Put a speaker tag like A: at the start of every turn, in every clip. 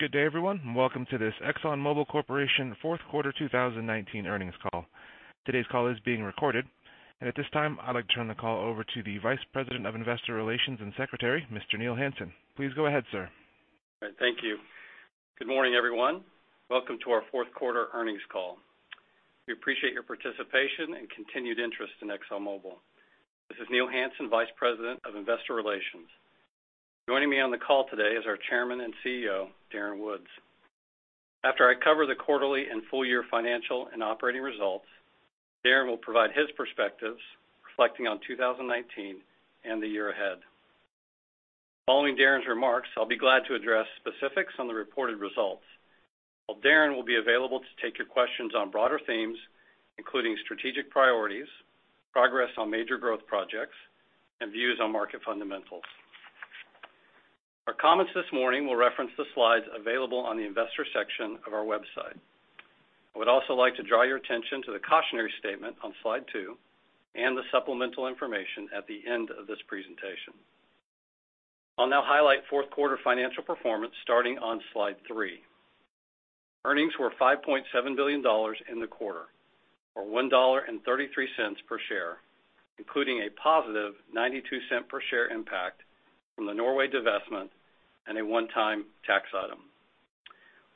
A: Good day everyone, welcome to this Exxon Mobil Corporation fourth quarter 2019 earnings call. Today's call is being recorded, and at this time, I'd like to turn the call over to the Vice President of Investor Relations and Secretary, Mr. Neil Hansen. Please go ahead, sir.
B: All right, thank you. Good morning, everyone. Welcome to our fourth quarter earnings call. We appreciate your participation and continued interest in ExxonMobil. This is Neil Hansen, Vice President of Investor Relations. Joining me on the call today is our Chairman and CEO, Darren Woods. After I cover the quarterly and full-year financial and operating results, Darren will provide his perspectives reflecting on 2019 and the year ahead. Following Darren's remarks, I will be glad to address specifics on the reported results, while Darren will be available to take your questions on broader themes, including strategic priorities, progress on major growth projects, and views on market fundamentals. Our comments this morning will reference the slides available on the investor section of our website. I would also like to draw your attention to the cautionary statement on slide two and the supplemental information at the end of this presentation. I'll now highlight fourth quarter financial performance starting on slide three. Earnings were $5.7 billion in the quarter, or $1.33 per share, including a positive $0.92 per share impact from the Norway divestment and a one-time tax item.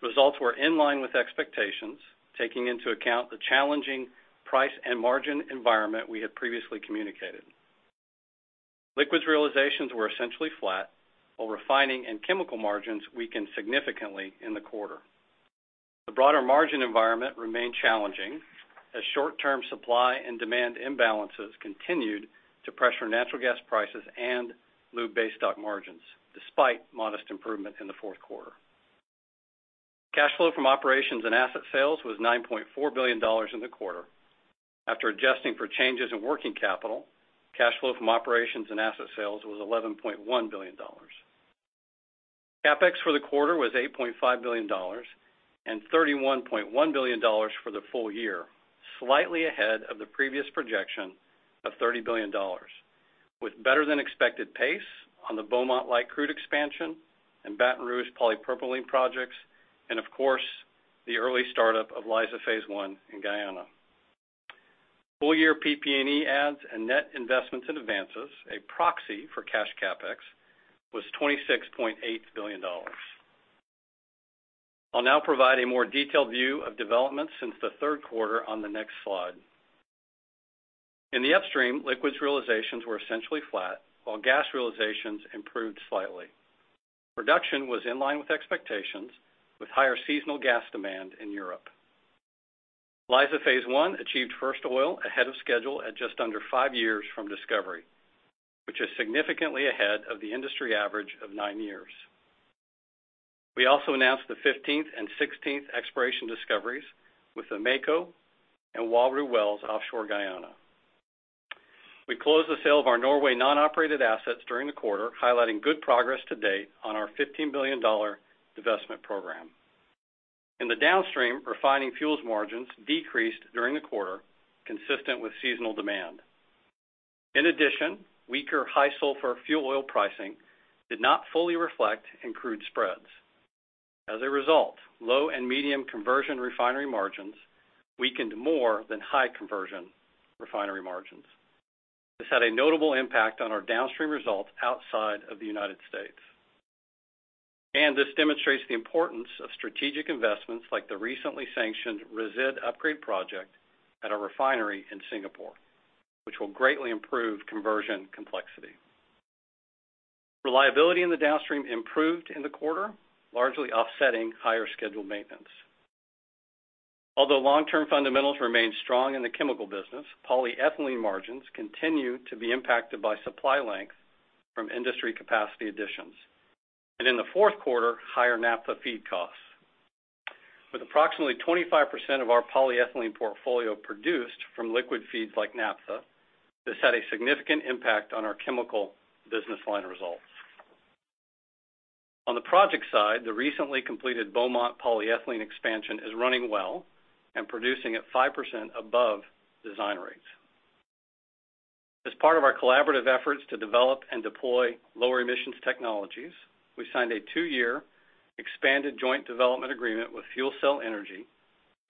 B: Results were in line with expectations, taking into account the challenging price and margin environment we had previously communicated. Liquids realizations were essentially flat, while refining and chemical margins weakened significantly in the quarter. The broader margin environment remained challenging as short-term supply and demand imbalances continued to pressure natural gas prices and lube base stock margins, despite modest improvement in the fourth quarter. Cash flow from operations and asset sales was $9.4 billion in the quarter. After adjusting for changes in working capital, cash flow from operations and asset sales was $11.1 billion. CapEx for the quarter was $8.5 billion and $31.1 billion for the full year, slightly ahead of the previous projection of $30 billion, with better-than-expected pace on the Beaumont light crude expansion and Baton Rouge polypropylene projects, and of course, the early start-up of Liza Phase 1 in Guyana. Full-year PP&E adds and net investments and advances, a proxy for cash CapEx, was $26.8 billion. I'll now provide a more detailed view of developments since the third quarter on the next slide. In the upstream, liquids realizations were essentially flat, while gas realizations improved slightly. Production was in line with expectations, with higher seasonal gas demand in Europe. Liza Phase 1 achieved first oil ahead of schedule at just under five years from discovery, which is significantly ahead of the industry average of nine years. We also announced the 15th and 16th exploration discoveries with Mako and Walrus wells offshore Guyana. We closed the sale of our Norway non-operated assets during the quarter, highlighting good progress to date on our $15 billion divestment program. In the downstream, refining fuels margins decreased during the quarter, consistent with seasonal demand. In addition, weaker high sulfur fuel oil pricing did not fully reflect in crude spreads. As a result, low and medium conversion refinery margins weakened more than high conversion refinery margins. This had a notable impact on our downstream results outside of the United States. This demonstrates the importance of strategic investments like the recently sanctioned resid upgrade project at our refinery in Singapore, which will greatly improve conversion complexity. Reliability in the downstream improved in the quarter, largely offsetting higher scheduled maintenance. Although long-term fundamentals remain strong in the chemical business, polyethylene margins continue to be impacted by supply length from industry capacity additions, and in the fourth quarter, higher naphtha feed costs. With approximately 25% of our polyethylene portfolio produced from liquid feeds like naphtha, this had a significant impact on our chemical business line results. On the project side, the recently completed Beaumont polyethylene expansion is running well and producing at 5% above design rates. As part of our collaborative efforts to develop and deploy lower emissions technologies, we signed a two-year expanded joint development agreement with FuelCell Energy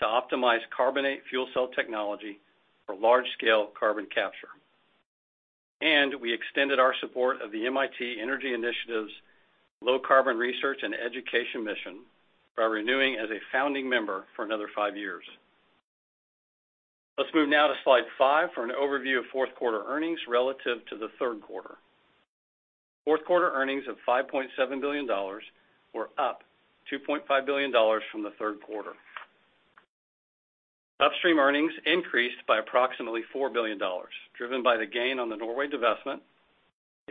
B: to optimize carbonate fuel cell technology for large-scale carbon capture. We extended our support of the MIT Energy Initiative's low carbon research and education mission by renewing as a founding member for another five years. Let's move now to slide five for an overview of fourth quarter earnings relative to the third quarter. Fourth quarter earnings of $5.7 billion were up $2.5 billion from the third quarter. Upstream earnings increased by approximately $4 billion, driven by the gain on the Norway divestment,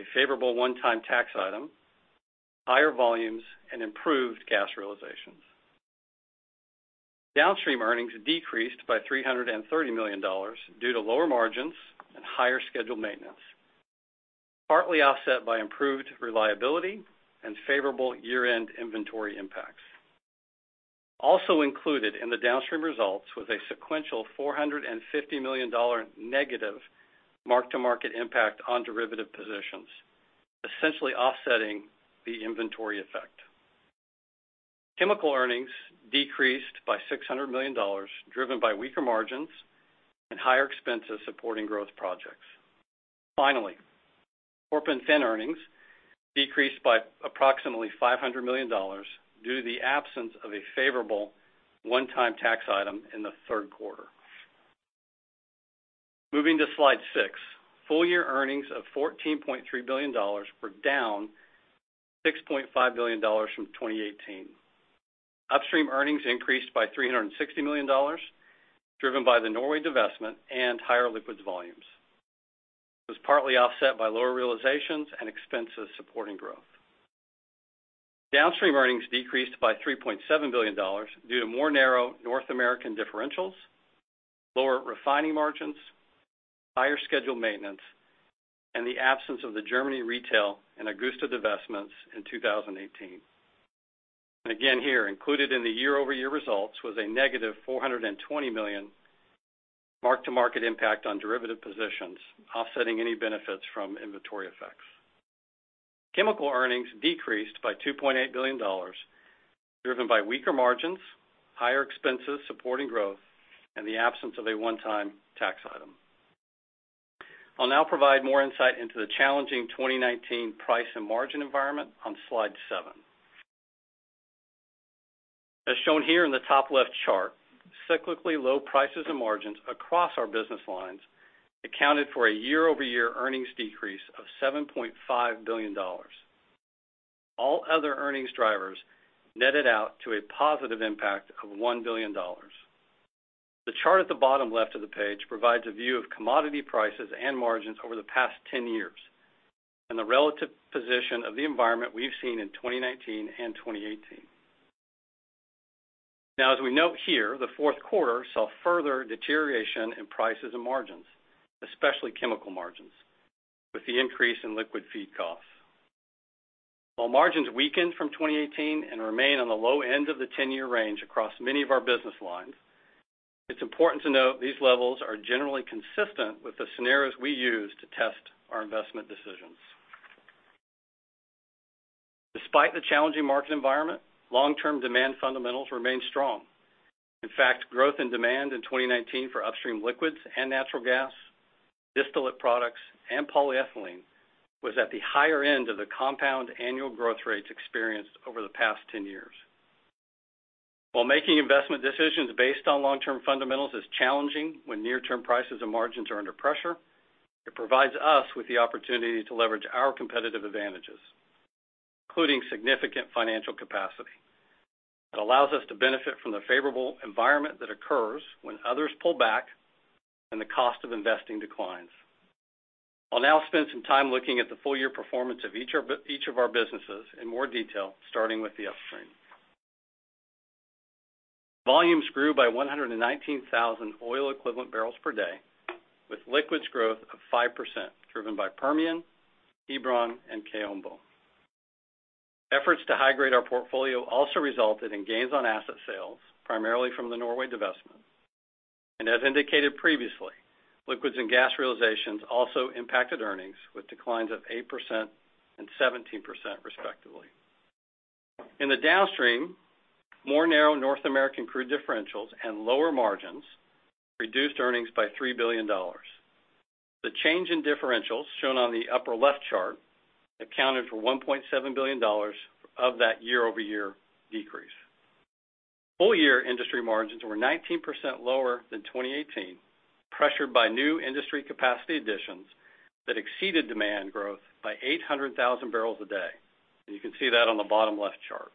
B: a favorable one-time tax item, higher volumes, and improved gas realizations. Downstream earnings decreased by $330 million due to lower margins and higher scheduled maintenance, partly offset by improved reliability and favorable year-end inventory impacts. Included in the downstream results was a sequential $450 million negative mark-to-market impact on derivative positions, essentially offsetting the inventory effect. Chemical earnings decreased by $600 million, driven by weaker margins and higher expenses supporting growth projects. Corporate and other earnings decreased by approximately $500 million due to the absence of a favorable one-time tax item in the third quarter. Moving to slide six. Full year earnings of $14.3 billion were down $6.5 billion from 2018. Upstream earnings increased by $360 million, driven by the Norway divestment and higher liquids volumes. It was partly offset by lower realizations and expenses supporting growth. Downstream earnings decreased by $3.7 billion due to more narrow North American differentials, lower refining margins, higher scheduled maintenance, and the absence of the Germany retail and Augusta divestments in 2018. Again here, included in the year-over-year results was a -$420 million mark-to-market impact on derivative positions, offsetting any benefits from inventory effects. Chemical earnings decreased by $2.8 billion, driven by weaker margins, higher expenses supporting growth, and the absence of a one-time tax item. I'll now provide more insight into the challenging 2019 price and margin environment on slide seven. As shown here in the top left chart, cyclically low prices and margins across our business lines accounted for a year-over-year earnings decrease of $7.5 billion. All other earnings drivers netted out to a positive impact of $1 billion. The chart at the bottom left of the page provides a view of commodity prices and margins over the past 10 years, and the relative position of the environment we've seen in 2019 and 2018. As we note here, the fourth quarter saw further deterioration in prices and margins, especially chemical margins, with the increase in liquid feed costs. While margins weakened from 2018 and remain on the low end of the 10-year range across many of our business lines, it's important to note these levels are generally consistent with the scenarios we use to test our investment decisions. Despite the challenging market environment, long-term demand fundamentals remain strong. In fact, growth and demand in 2019 for upstream liquids and natural gas, distillate products, and polyethylene was at the higher end of the compound annual growth rates experienced over the past 10 years. While making investment decisions based on long-term fundamentals is challenging when near-term prices and margins are under pressure, it provides us with the opportunity to leverage our competitive advantages, including significant financial capacity. It allows us to benefit from the favorable environment that occurs when others pull back and the cost of investing declines. I'll now spend some time looking at the full-year performance of each of our businesses in more detail, starting with the upstream. Volumes grew by 119,000 oil equivalent barrels per day, with liquids growth of 5%, driven by Permian, Hebron, and Kaombo. Efforts to high-grade our portfolio also resulted in gains on asset sales, primarily from the Norway divestment. As indicated previously, liquids and gas realizations also impacted earnings, with declines of 8% and 17% respectively. In the downstream, more narrow North American crude differentials and lower margins reduced earnings by $3 billion. The change in differentials shown on the upper left chart accounted for $1.7 billion of that year-over-year decrease. Full-year industry margins were 19% lower than 2018, pressured by new industry capacity additions that exceeded demand growth by 800,000 bbl a day. You can see that on the bottom left chart.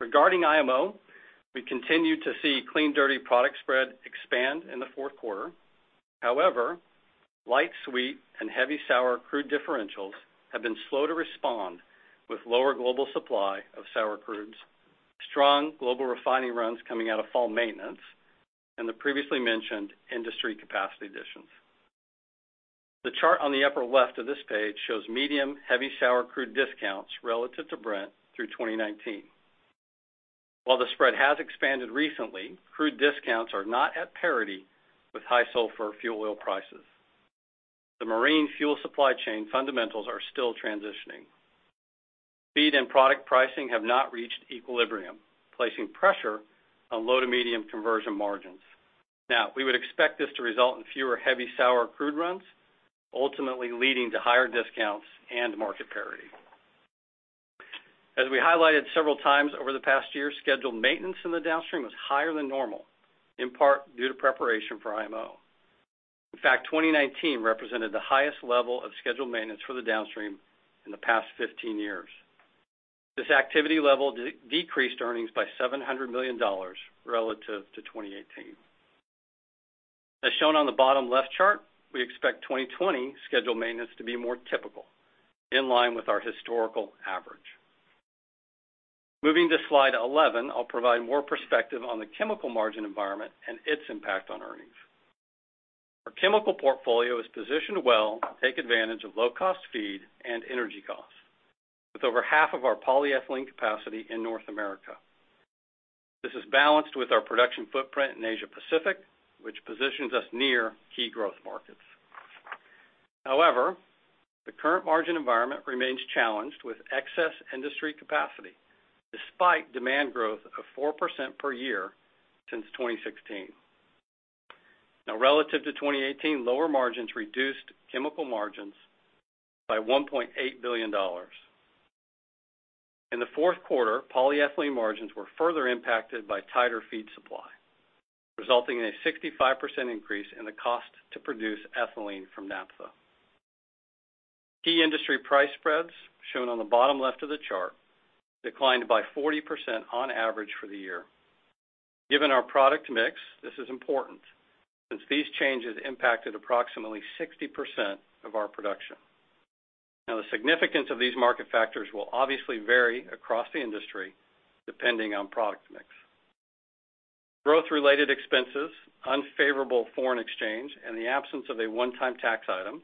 B: Regarding IMO, we continued to see clean/dirty product spread expand in the fourth quarter. However, light sweet and heavy sour crude differentials have been slow to respond with lower global supply of sour crudes, strong global refining runs coming out of fall maintenance, and the previously mentioned industry capacity additions. The chart on the upper left of this page shows medium/heavy sour crude discounts relative to Brent through 2019. While the spread has expanded recently, crude discounts are not at parity with high sulfur fuel oil prices. The marine fuel supply chain fundamentals are still transitioning. Feed and product pricing have not reached equilibrium, placing pressure on low to medium conversion margins. We would expect this to result in fewer heavy sour crude runs, ultimately leading to higher discounts and market parity. As we highlighted several times over the past year, scheduled maintenance in the downstream was higher than normal, in part due to preparation for IMO. In fact, 2019 represented the highest level of scheduled maintenance for the downstream in the past 15 years. This activity level decreased earnings by $700 million relative to 2018. As shown on the bottom left chart, we expect 2020 scheduled maintenance to be more typical, in line with our historical average. Moving to slide 11, I'll provide more perspective on the chemical margin environment and its impact on earnings. Our chemical portfolio is positioned well to take advantage of low-cost feed and energy costs, with over half of our polyethylene capacity in North America. This is balanced with our production footprint in Asia Pacific, which positions us near key growth markets. However, the current margin environment remains challenged with excess industry capacity, despite demand growth of 4% per year since 2016. Now relative to 2018, lower margins reduced chemical margins by $1.8 billion. In the fourth quarter, polyethylene margins were further impacted by tighter feed supply, resulting in a 65% increase in the cost to produce ethylene from naphtha. Key industry price spreads, shown on the bottom left of the chart, declined by 40% on average for the year. Given our product mix, this is important, since these changes impacted approximately 60% of our production. The significance of these market factors will obviously vary across the industry depending on product mix. Growth-related expenses, unfavorable foreign exchange, and the absence of a one-time tax item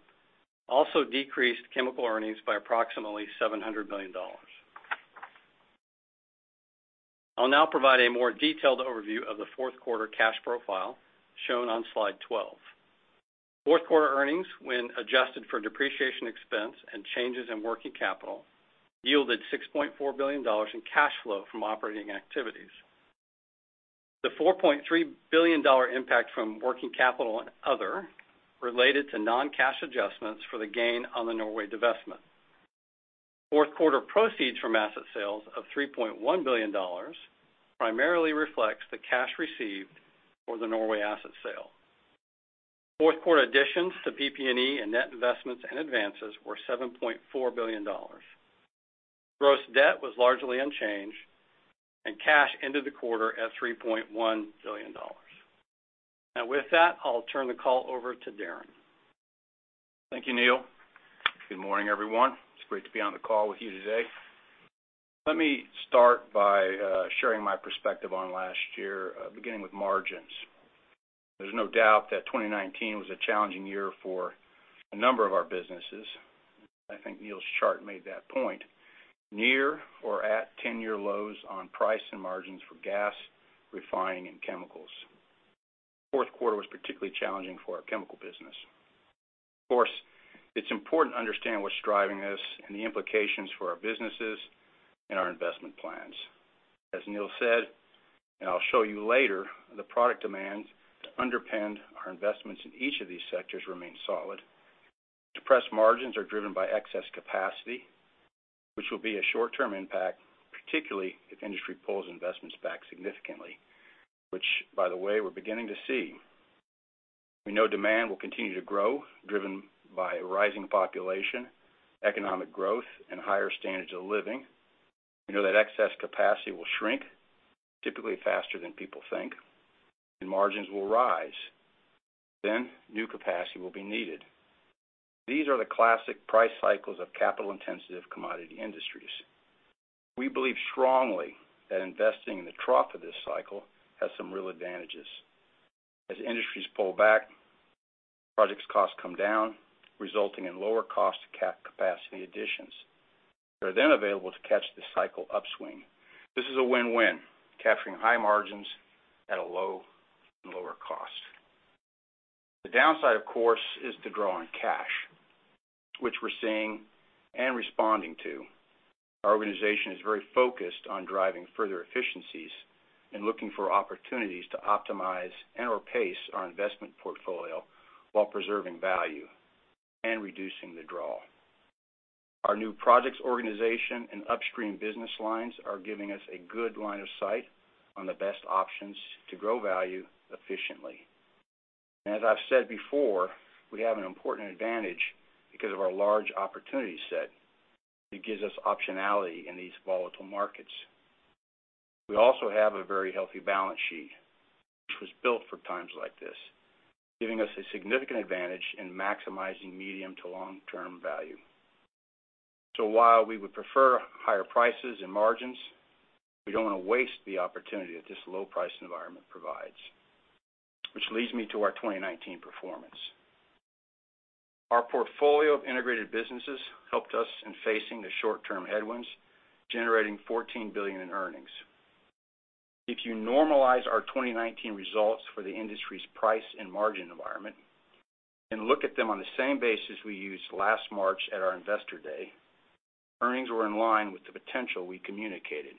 B: also decreased chemical earnings by approximately $700 million. I'll now provide a more detailed overview of the fourth quarter cash profile, shown on slide 12. Fourth quarter earnings, when adjusted for depreciation expense and changes in working capital, yielded $6.4 billion in cash flow from operating activities. The $4.3 billion impact from working capital and other related to non-cash adjustments for the gain on the Norway Divestment. Fourth quarter proceeds from asset sales of $3.1 billion primarily reflects the cash received for the Norway asset sale. Fourth quarter additions to PP&E and net investments and advances were $7.4 billion. Gross debt was largely unchanged, and cash ended the quarter at $3.1 billion. Now with that, I'll turn the call over to Darren.
C: Thank you, Neil. Good morning, everyone. It's great to be on the call with you today. Let me start by sharing my perspective on last year, beginning with margins. There's no doubt that 2019 was a challenging year for a number of our businesses. I think Neil's chart made that point. Near or at 10-year lows on price and margins for gas, refining, and chemicals. Fourth quarter was particularly challenging for our chemical business. Of course, it's important to understand what's driving this and the implications for our businesses and our investment plans. As Neil said, and I'll show you later, the product demands to underpin our investments in each of these sectors remain solid. Depressed margins are driven by excess capacity, which will be a short-term impact, particularly if industry pulls investments back significantly, which by the way, we're beginning to see. We know demand will continue to grow, driven by a rising population, economic growth, and higher standards of living. We know that excess capacity will shrink, typically faster than people think, and margins will rise. New capacity will be needed. These are the classic price cycles of capital-intensive commodity industries. We believe strongly that investing in the trough of this cycle has some real advantages. As industries pull back, projects costs come down, resulting in lower cost capacity additions. They're then available to catch the cycle upswing. This is a win-win, capturing high margins at a low and lower cost. The downside, of course, is the draw on cash, which we're seeing and responding to. Our organization is very focused on driving further efficiencies and looking for opportunities to optimize and/or pace our investment portfolio while preserving value and reducing the draw. Our new projects organization and upstream business lines are giving us a good line of sight on the best options to grow value efficiently. As I've said before, we have an important advantage because of our large opportunity set. It gives us optionality in these volatile markets. We also have a very healthy balance sheet, which was built for times like this, giving us a significant advantage in maximizing medium to long-term value. While we would prefer higher prices and margins, we don't want to waste the opportunity that this low price environment provides. Which leads me to our 2019 performance. Our portfolio of integrated businesses helped us in facing the short-term headwinds, generating $14 billion in earnings. If you normalize our 2019 results for the industry's price and margin environment and look at them on the same basis we used last March at our investor day, earnings were in line with the potential we communicated.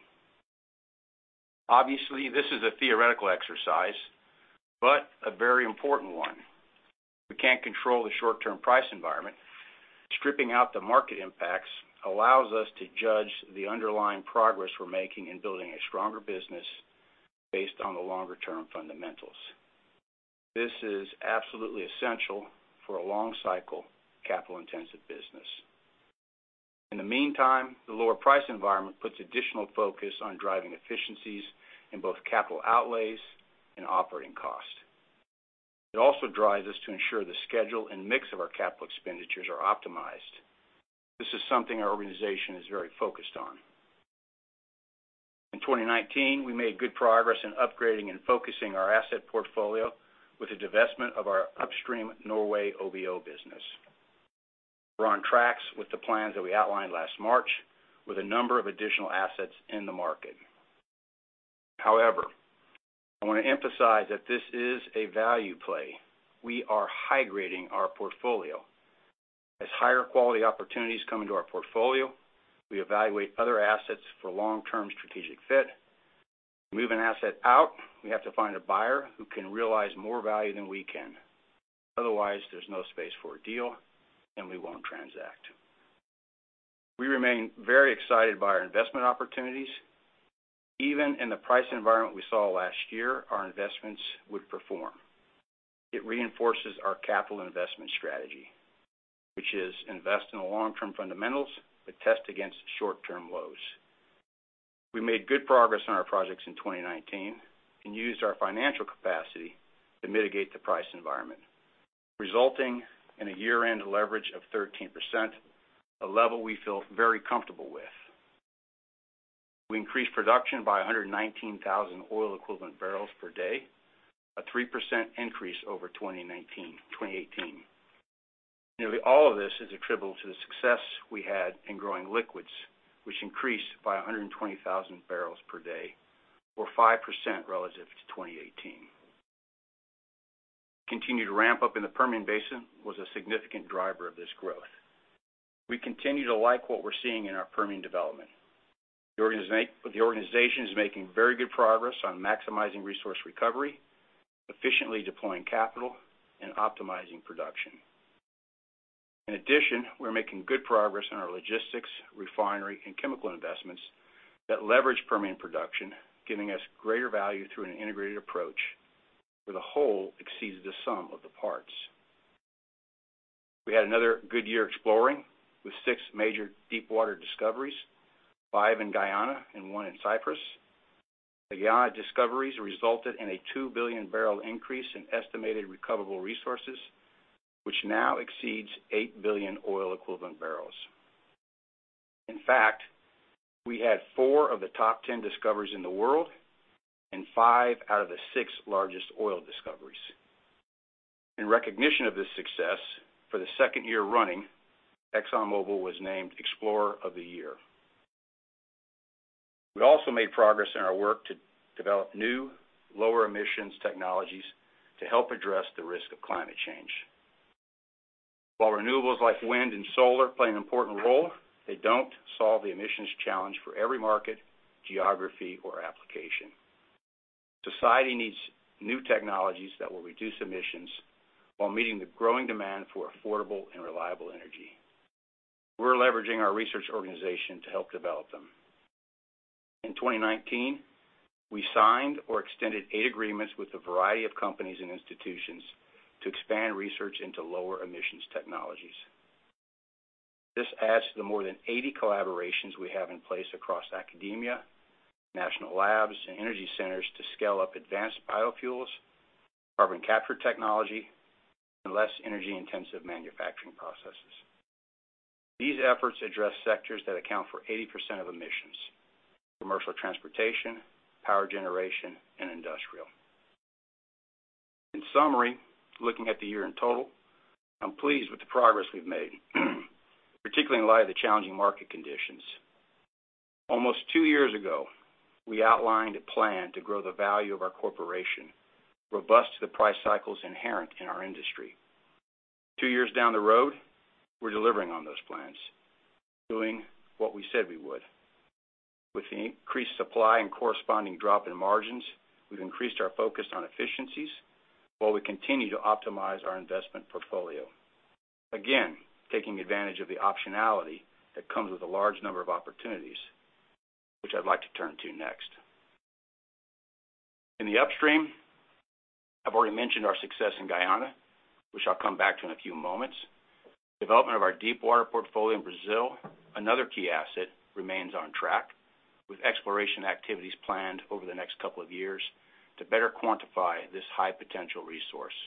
C: Obviously, this is a theoretical exercise, but a very important one. We can't control the short-term price environment. Stripping out the market impacts allows us to judge the underlying progress we're making in building a stronger business based on the longer-term fundamentals. This is absolutely essential for a long-cycle, capital-intensive business. In the meantime, the lower price environment puts additional focus on driving efficiencies in both capital outlays and operating costs. It also drives us to ensure the schedule and mix of our capital expenditures are optimized. This is something our organization is very focused on. In 2019, we made good progress in upgrading and focusing our asset portfolio with the divestment of our upstream Norway OBO business. We're on track with the plans that we outlined last March with a number of additional assets in the market. I want to emphasize that this is a value play. We are high-grading our portfolio. As higher quality opportunities come into our portfolio, we evaluate other assets for long-term strategic fit. To move an asset out, we have to find a buyer who can realize more value than we can. Otherwise, there's no space for a deal, and we won't transact. We remain very excited by our investment opportunities. Even in the price environment we saw last year, our investments would perform. It reinforces our capital investment strategy, which is invest in the long-term fundamentals that test against short-term lows. We made good progress on our projects in 2019 and used our financial capacity to mitigate the price environment, resulting in a year-end leverage of 13%, a level we feel very comfortable with. We increased production by 119,000 oil equivalent barrels per day, a 3% increase over 2018. Nearly all of this is attributable to the success we had in growing liquids, which increased by 120,000 bpd or 5% relative to 2018. Continued ramp-up in the Permian Basin was a significant driver of this growth. We continue to like what we're seeing in our Permian development. The organization is making very good progress on maximizing resource recovery, efficiently deploying capital, and optimizing production. We're making good progress on our logistics, refinery, and chemical investments that leverage Permian production, giving us greater value through an integrated approach where the whole exceeds the sum of the parts. We had another good year exploring with six major deep water discoveries, five in Guyana and one in Cyprus. The Guyana discoveries resulted in a 2 billion bbl increase in estimated recoverable resources, which now exceeds 8 billion oil equivalent barrels. We had four of the top 10 discoveries in the world and five out of the six largest oil discoveries. In recognition of this success, for the second year running, ExxonMobil was named Explorer of the Year. We also made progress in our work to develop new, lower emissions technologies to help address the risk of climate change. While renewables like wind and solar play an important role, they don't solve the emissions challenge for every market, geography, or application. Society needs new technologies that will reduce emissions while meeting the growing demand for affordable and reliable energy. We're leveraging our research organization to help develop them. In 2019, we signed or extended eight agreements with a variety of companies and institutions to expand research into lower emissions technologies. This adds to the more than 80 collaborations we have in place across academia, national labs, and energy centers to scale up advanced biofuels, carbon capture technology, and less energy-intensive manufacturing processes. These efforts address sectors that account for 80% of emissions, commercial transportation, power generation, and industrial. In summary, looking at the year in total, I'm pleased with the progress we've made, particularly in light of the challenging market conditions. Almost two years ago, we outlined a plan to grow the value of our corporation robust to the price cycles inherent in our industry. Two years down the road, we're delivering on those plans, doing what we said we would. With the increased supply and corresponding drop in margins, we've increased our focus on efficiencies while we continue to optimize our investment portfolio. Again, taking advantage of the optionality that comes with a large number of opportunities, which I'd like to turn to next. In the upstream, I've already mentioned our success in Guyana, which I'll come back to in a few moments. Development of our deep water portfolio in Brazil, another key asset remains on track with exploration activities planned over the next couple of years to better quantify this high-potential resource.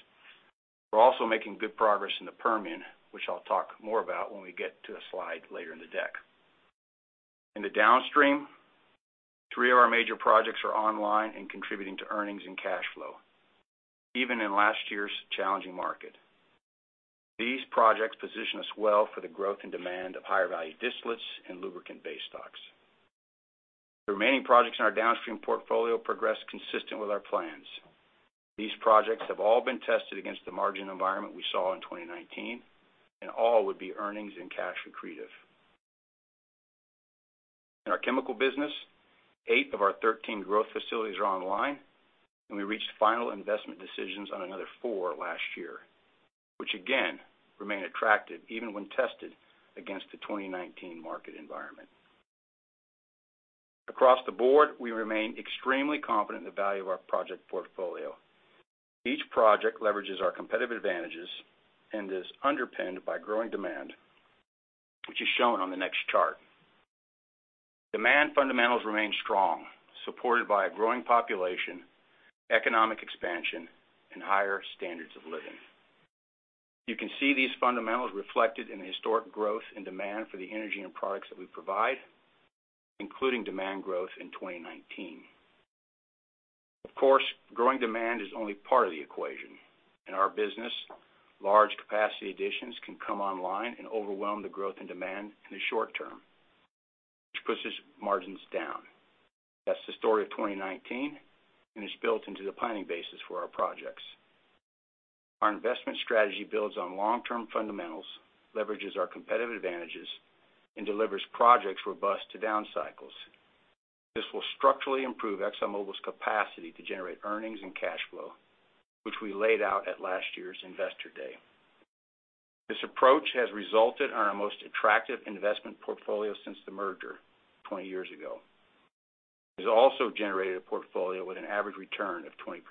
C: We're also making good progress in the Permian, which I'll talk more about when we get to a slide later in the deck. In the downstream, three of our major projects are online and contributing to earnings and cash flow, even in last year's challenging market. These projects position us well for the growth and demand of higher value distillates and lubricant-based stocks. The remaining projects in our downstream portfolio progressed consistent with our plans. These projects have all been tested against the margin environment we saw in 2019, and all would be earnings and cash accretive. In our chemical business, eight of our 13 growth facilities are online, and we reached final investment decisions on another four last year, which again, remain attractive even when tested against the 2019 market environment. Across the board, we remain extremely confident in the value of our project portfolio. Each project leverages our competitive advantages and is underpinned by growing demand, which is shown on the next chart. Demand fundamentals remain strong, supported by a growing population, economic expansion, and higher standards of living. You can see these fundamentals reflected in the historic growth and demand for the energy and products that we provide, including demand growth in 2019. Of course, growing demand is only part of the equation. In our business, large capacity additions can come online and overwhelm the growth and demand in the short term, which pushes margins down. That's the story of 2019, and it's built into the planning basis for our projects. Our investment strategy builds on long-term fundamentals, leverages our competitive advantages, and delivers projects robust to down cycles. This will structurally improve ExxonMobil's capacity to generate earnings and cash flow, which we laid out at last year's Investor Day. This approach has resulted in our most attractive investment portfolio since the merger 20 years ago. It has also generated a portfolio with an average return of 20%.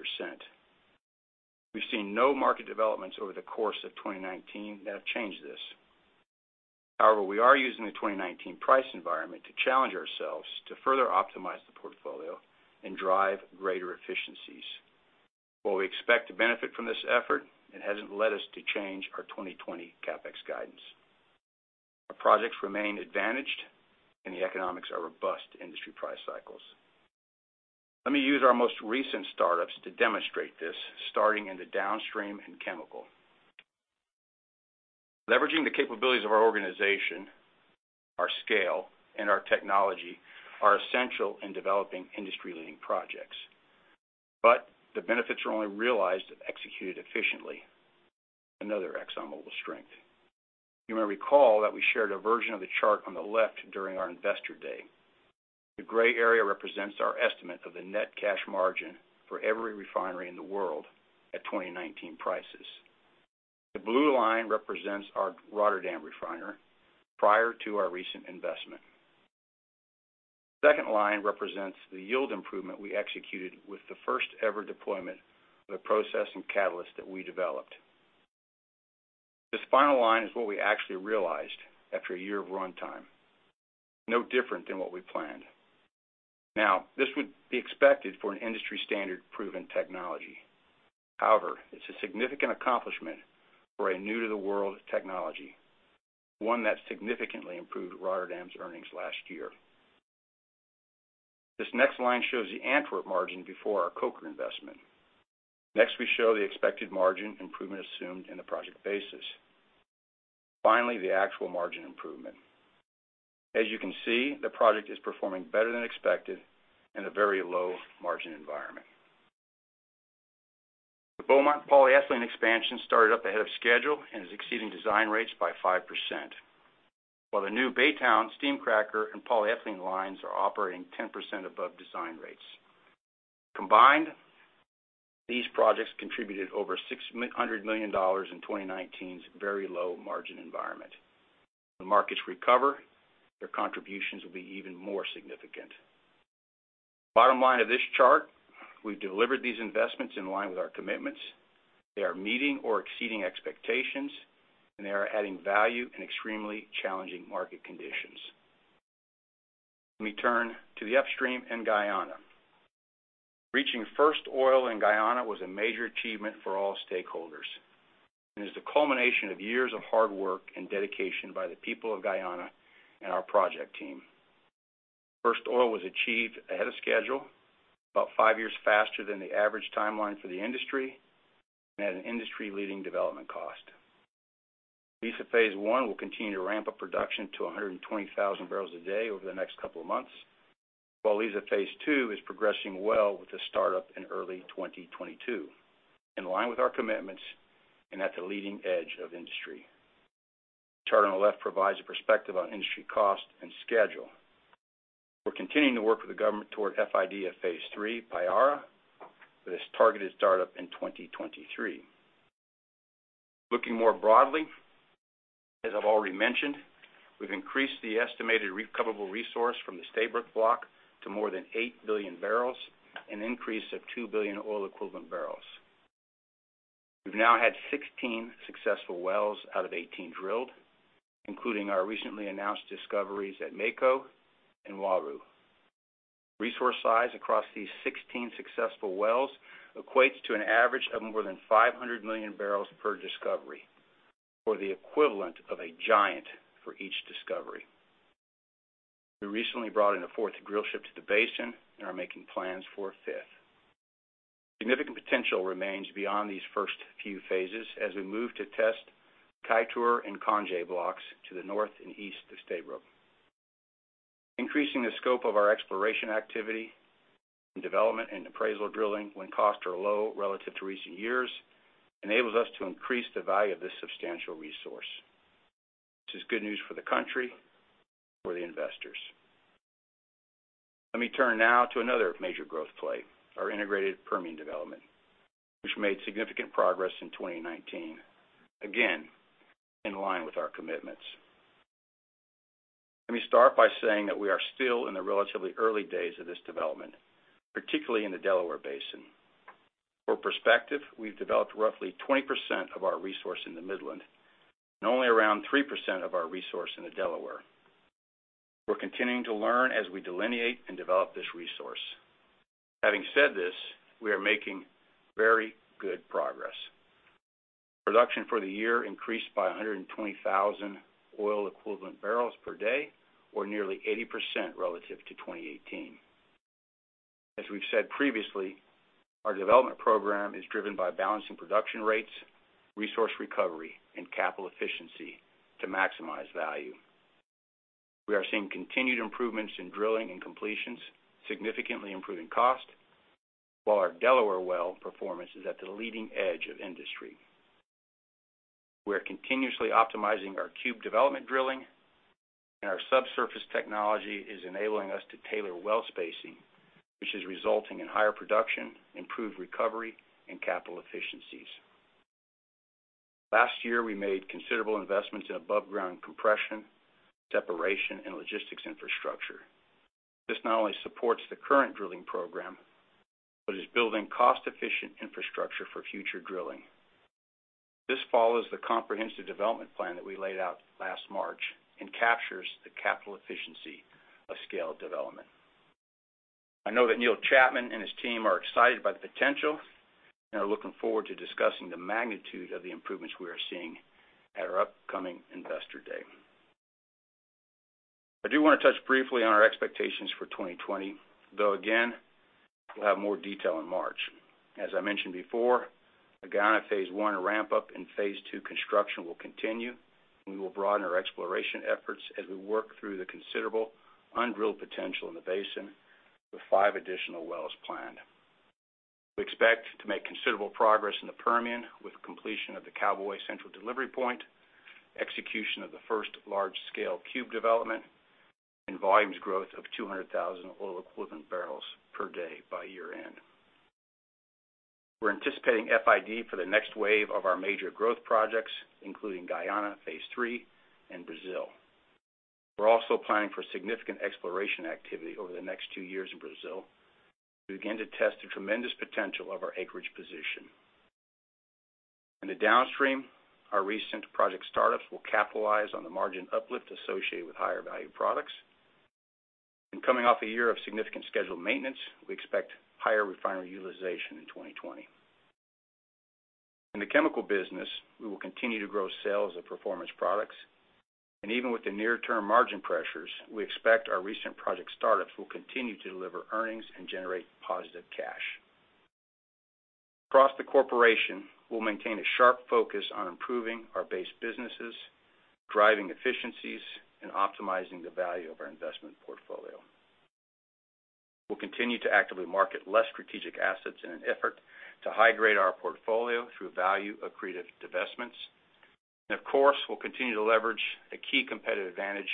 C: We've seen no market developments over the course of 2019 that have changed this. However, we are using the 2019 price environment to challenge ourselves to further optimize the portfolio and drive greater efficiencies. While we expect to benefit from this effort, it hasn't led us to change our 2020 CapEx guidance. Our projects remain advantaged, and the economics are robust industry price cycles. Let me use our most recent startups to demonstrate this, starting in the downstream and chemical. Leveraging the capabilities of our organization, our scale, and our technology are essential in developing industry-leading projects. The benefits are only realized if executed efficiently, another ExxonMobil strength. You may recall that we shared a version of the chart on the left during our Investor Day. The gray area represents our estimate of the net cash margin for every refinery in the world at 2019 prices. The blue line represents our Rotterdam refiner prior to our recent investment. Second line represents the yield improvement we executed with the first-ever deployment of the process and catalyst that we developed. This final line is what we actually realized after a year of runtime. No different than what we planned. This would be expected for an industry-standard proven technology. It's a significant accomplishment for a new-to-the-world technology, one that significantly improved Rotterdam's earnings last year. This next line shows the Antwerp margin before our coker investment. We show the expected margin improvement assumed in the project basis. The actual margin improvement. As you can see, the project is performing better than expected in a very low margin environment. The Beaumont polyethylene expansion started up ahead of schedule and is exceeding design rates by 5%, while the new Baytown steam cracker and polyethylene lines are operating 10% above design rates. Combined, these projects contributed over $600 million in 2019's very low margin environment. The markets recover, their contributions will be even more significant. Bottom line of this chart, we've delivered these investments in line with our commitments. They are meeting or exceeding expectations, and they are adding value in extremely challenging market conditions. Let me turn to the upstream in Guyana. Reaching first oil in Guyana was a major achievement for all stakeholders, and is the culmination of years of hard work and dedication by the people of Guyana and our project team. First oil was achieved ahead of schedule, about five years faster than the average timeline for the industry, and at an industry-leading development cost. Liza Phase 1 will continue to ramp up production to 120,000 bbl a day over the next couple of months, while Liza Phase 2 is progressing well with a startup in early 2022, in line with our commitments and at the leading edge of industry. Chart on the left provides a perspective on industry cost and schedule. We're continuing to work with the government toward FID of Phase 3, Payara, with its targeted startup in 2023. Looking more broadly, as I've already mentioned, we've increased the estimated recoverable resource from the Stabroek Block to more than 8 billion bbl, an increase of 2 billion oil equivalent barrels. We've now had 16 successful wells out of 18 drilled, including our recently announced discoveries at Mako and Walru. Resource size across these 16 successful wells equates to an average of more than 500 million bbl per discovery or the equivalent of a giant for each discovery. We recently brought in a fourth drill ship to the basin and are making plans for a fifth. Significant potential remains beyond these first few phases as we move to test Kaieteur and Canje blocks to the north and east of Stabroek. Increasing the scope of our exploration activity and development and appraisal drilling when costs are low relative to recent years enables us to increase the value of this substantial resource. This is good news for the country, for the investors. Let me turn now to another major growth play, our integrated Permian development, which made significant progress in 2019, again, in line with our commitments. Let me start by saying that we are still in the relatively early days of this development, particularly in the Delaware Basin. For perspective, we've developed roughly 20% of our resource in the Midland, 3% of our resource in the Delaware. We're continuing to learn as we delineate and develop this resource. Having said this, we are making very good progress. Production for the year increased by 120,000 oil equivalent barrels per day, or nearly 80% relative to 2018. As we've said previously, our development program is driven by balancing production rates, resource recovery, and capital efficiency to maximize value. We are seeing continued improvements in drilling and completions, significantly improving cost, while our Delaware well performance is at the leading edge of industry. We are continuously optimizing our cube development drilling, and our subsurface technology is enabling us to tailor well spacing, which is resulting in higher production, improved recovery, and capital efficiencies. Last year, we made considerable investments in above-ground compression, separation, and logistics infrastructure. This not only supports the current drilling program, but is building cost-efficient infrastructure for future drilling. This follows the comprehensive development plan that we laid out last March and captures the capital efficiency of scaled development. I know that Neil Chapman and his team are excited by the potential and are looking forward to discussing the magnitude of the improvements we are seeing at our upcoming investor day. I do want to touch briefly on our expectations for 2020, though again, we'll have more detail in March. As I mentioned before, Guyana Phase 1 ramp up and Phase 2 construction will continue, and we will broaden our exploration efforts as we work through the considerable undrilled potential in the basin with five additional wells planned. We expect to make considerable progress in the Permian with completion of the Cowboy Central Delivery Point, execution of the first large-scale cube development, and volumes growth of $200,000 oil equivalent barrels per day by year-end. We're anticipating FID for the next wave of our major growth projects, including Guyana Phase 3 and Brazil. We're also planning for significant exploration activity over the next two years in Brazil to begin to test the tremendous potential of our acreage position. In the downstream, our recent project startups will capitalize on the margin uplift associated with higher value products. Coming off a year of significant scheduled maintenance, we expect higher refinery utilization in 2020. In the chemical business, we will continue to grow sales of performance products. Even with the near-term margin pressures, we expect our recent project startups will continue to deliver earnings and generate positive cash. Across the Corporation, we'll maintain a sharp focus on improving our base businesses, driving efficiencies, and optimizing the value of our investment portfolio. We'll continue to actively market less strategic assets in an effort to high-grade our portfolio through value-accretive divestments. Of course, we'll continue to leverage a key competitive advantage,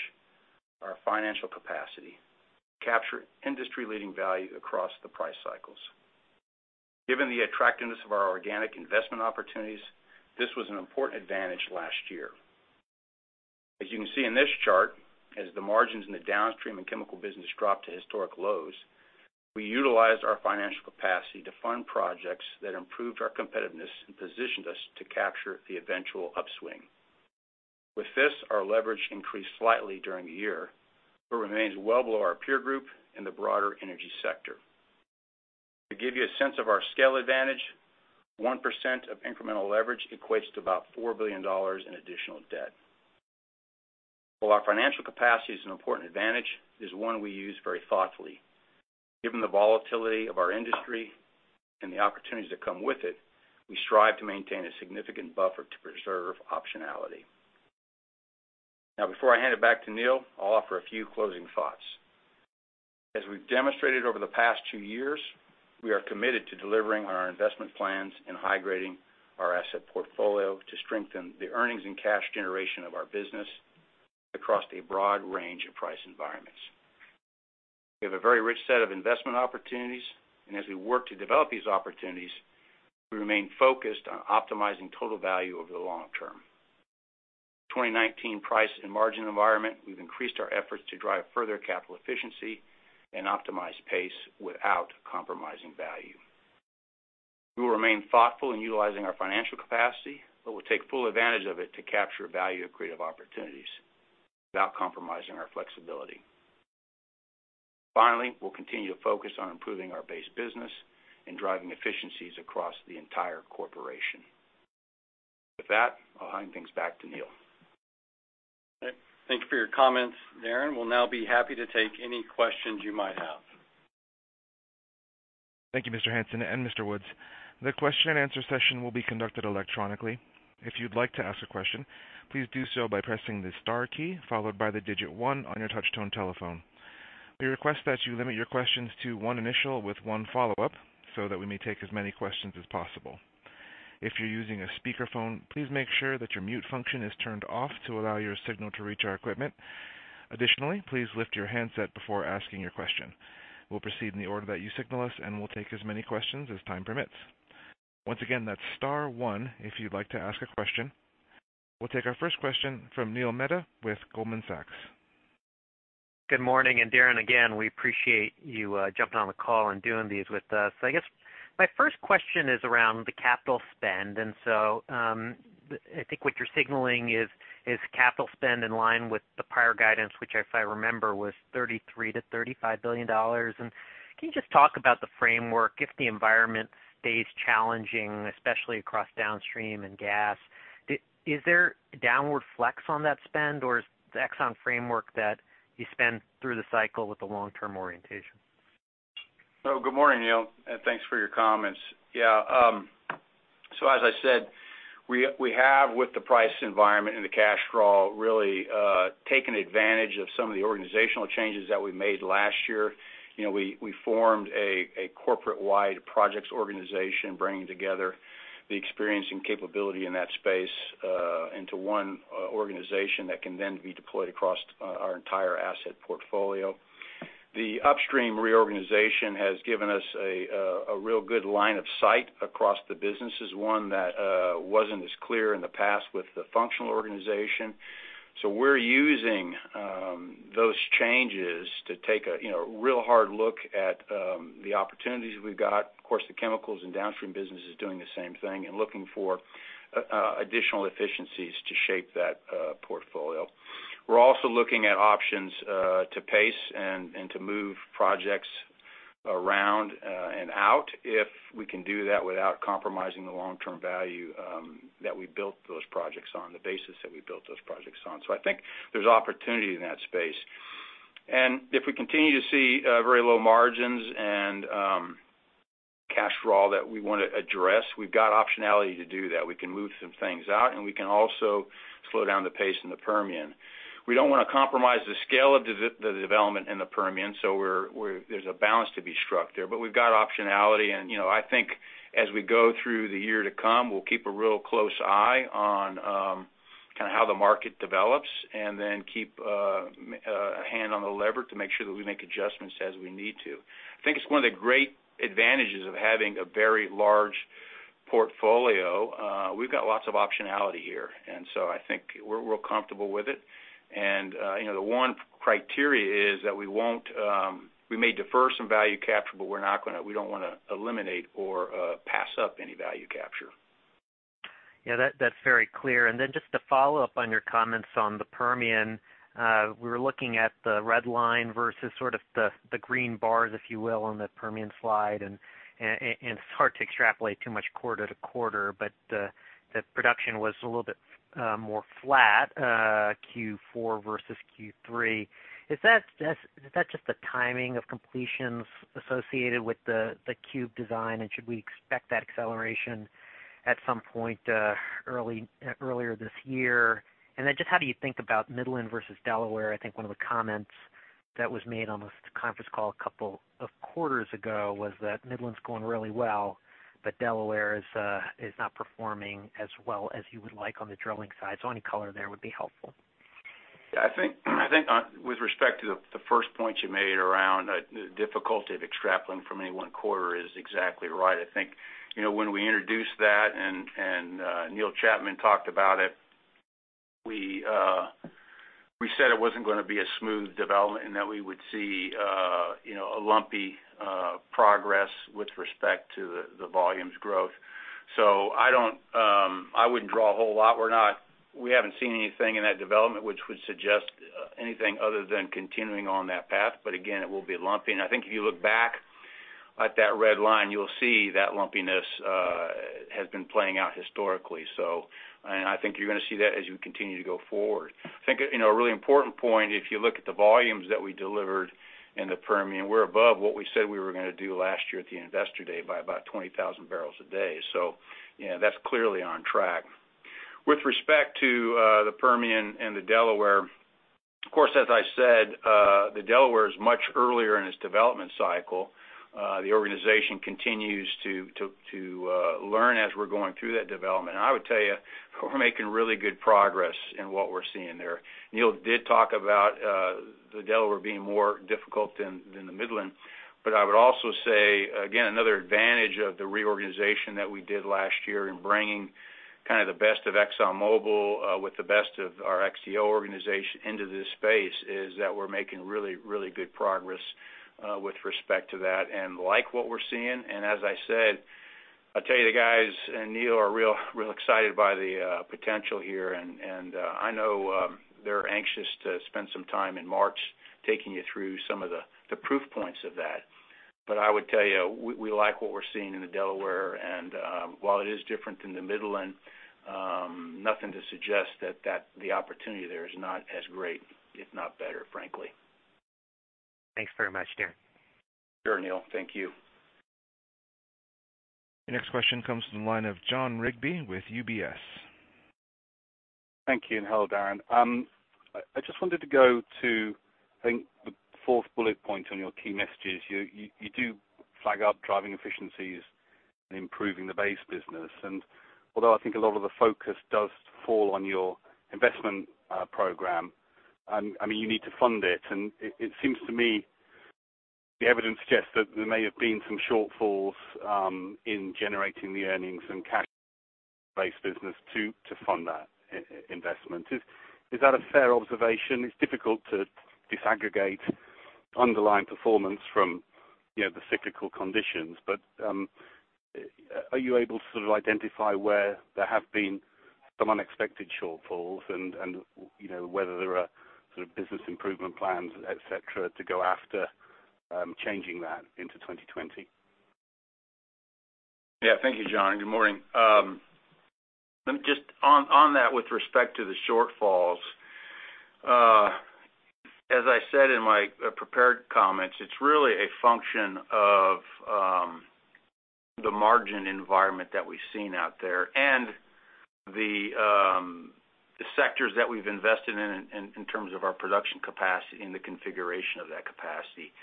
C: our financial capacity to capture industry-leading value across the price cycles. Given the attractiveness of our organic investment opportunities, this was an important advantage last year. As you can see in this chart, as the margins in the downstream and chemical business dropped to historic lows, we utilized our financial capacity to fund projects that improved our competitiveness and positioned us to capture the eventual upswing. With this, our leverage increased slightly during the year, but remains well below our peer group in the broader energy sector. To give you a sense of our scale advantage, 1% of incremental leverage equates to about $4 billion in additional debt. While our financial capacity is an important advantage, it is one we use very thoughtfully. Given the volatility of our industry and the opportunities that come with it, we strive to maintain a significant buffer to preserve optionality. Now, before I hand it back to Neil, I'll offer a few closing thoughts. As we've demonstrated over the past two years, we are committed to delivering on our investment plans and high-grading our asset portfolio to strengthen the earnings and cash generation of our business across a broad range of price environments. We have a very rich set of investment opportunities. As we work to develop these opportunities, we remain focused on optimizing total value over the long term. 2019 price and margin environment, we've increased our efforts to drive further capital efficiency and optimize pace without compromising value. We will remain thoughtful in utilizing our financial capacity, but we'll take full advantage of it to capture value-accretive opportunities without compromising our flexibility. Finally, we'll continue to focus on improving our base business and driving efficiencies across the entire corporation. With that, I'll hand things back to Neil.
B: Okay. Thank you for your comments, Darren. We'll now be happy to take any questions you might have.
A: Thank you, Mr. Hansen and Mr. Woods. The question and answer session will be conducted electronically. If you'd like to ask a question, please do so by pressing the star key, followed by the digit one on your touch-tone telephone. We request that you limit your questions to one initial with one follow-up so that we may take as many questions as possible. If you're using a speakerphone, please make sure that your mute function is turned off to allow your signal to reach our equipment. Additionally, please lift your handset before asking your question. We'll proceed in the order that you signal us. We'll take as many questions as time permits. Once again, that's star one if you'd like to ask a question. We'll take our first question from Neil Mehta with Goldman Sachs.
D: Good morning. Darren, again, we appreciate you jumping on the call and doing these with us. I guess my first question is around the capital spend. I think what you're signaling is capital spend in line with the prior guidance, which if I remember, was $33 billion-$35 billion. Can you just talk about the framework if the environment stays challenging, especially across downstream and gas? Is there downward flex on that spend, or is the Exxon framework that you spend through the cycle with a long-term orientation?
C: Good morning, Neil, thanks for your comments. As I said, we have with the price environment and the cash draw, really taken advantage of some of the organizational changes that we made last year. We formed a corporate-wide projects organization, bringing together the experience and capability in that space into one organization that can then be deployed across our entire asset portfolio. The upstream reorganization has given us a real good line of sight across the businesses, one that wasn't as clear in the past with the functional organization. We're using those changes to take a real hard look at the opportunities we've got. Of course, the chemicals and downstream business is doing the same thing and looking for additional efficiencies to shape that portfolio. We're also looking at options to pace and to move projects around and out if we can do that without compromising the long-term value that we built those projects on, the basis that we built those projects on. I think there's opportunity in that space. If we continue to see very low margins and cash draw that we want to address, we've got optionality to do that. We can move some things out, and we can also slow down the pace in the Permian. We don't want to compromise the scale of the development in the Permian. There's a balance to be struck there, but we've got optionality. I think as we go through the year to come, we'll keep a real close eye on kind of how the market develops and then keep a hand on the lever to make sure that we make adjustments as we need to. I think it's one of the great advantages of having a very large portfolio. We've got lots of optionality here. I think we're real comfortable with it. The one criteria is that we may defer some value capture, but we don't want to eliminate or pass up any value capture.
D: Yeah, that's very clear. Then just to follow up on your comments on the Permian, we were looking at the red line versus sort of the green bars, if you will, on the Permian slide. It's hard to extrapolate too much quarter-to-quarter, but the production was a little bit more flat, Q4 versus Q3. Is that just the timing of completions associated with the cube design? Should we expect that acceleration at some point earlier this year? Then just how do you think about Midland versus Delaware? I think one of the comments that was made on this conference call a couple of quarters ago was that Midland's going really well, but Delaware is not performing as well as you would like on the drilling side. Any color there would be helpful.
C: I think with respect to the first point you made around the difficulty of extrapolating from any one quarter is exactly right. I think when we introduced that and Neil Chapman talked about it, we said it wasn't going to be a smooth development and that we would see a lumpy progress with respect to the volumes growth. I wouldn't draw a whole lot. We haven't seen anything in that development which would suggest anything other than continuing on that path. Again, it will be lumpy. I think if you look back at that red line, you'll see that lumpiness has been playing out historically. I think you're going to see that as you continue to go forward. I think a really important point, if you look at the volumes that we delivered in the Permian, we're above what we said we were going to do last year at the investor day by about 20,000 bbl a day. That's clearly on track. With respect to the Permian and the Delaware, of course, as I said, the Delaware is much earlier in its development cycle. The organization continues to learn as we're going through that development. I would tell you, we're making really good progress in what we're seeing there. Neil did talk about the Delaware being more difficult than the Midland. I would also say, again, another advantage of the reorganization that we did last year in bringing kind of the best of ExxonMobil with the best of our XTO organization into this space is that we're making really good progress with respect to that and like what we're seeing. As I said, I'll tell you, the guys and Neil are really excited by the potential here. I know they're anxious to spend some time in March taking you through some of the proof points of that. I would tell you, we like what we're seeing in the Delaware. While it is different than the Midland, nothing to suggest that the opportunity there is not as great, if not better, frankly.
D: Thanks very much, Darren.
C: Sure, Neil. Thank you.
A: Your next question comes from the line of Jon Rigby with UBS.
E: Thank you. Hello, Darren. I just wanted to go to, I think the fourth bullet point on your key messages. You do flag up driving efficiencies and improving the base business. Although I think a lot of the focus does fall on your investment program, you need to fund it. The evidence suggests that there may have been some shortfalls in generating the earnings and cash base business to fund that investment. Is that a fair observation? It's difficult to disaggregate underlying performance from the cyclical conditions. Are you able to identify where there have been some unexpected shortfalls and whether there are business improvement plans, et cetera, to go after changing that into 2020?
C: Yeah. Thank you, Jon. Good morning. Just on that, with respect to the shortfalls, as I said in my prepared comments, it's really a function of the margin environment that we've seen out there and the sectors that we've invested in terms of our production capacity and the configuration of that capacity.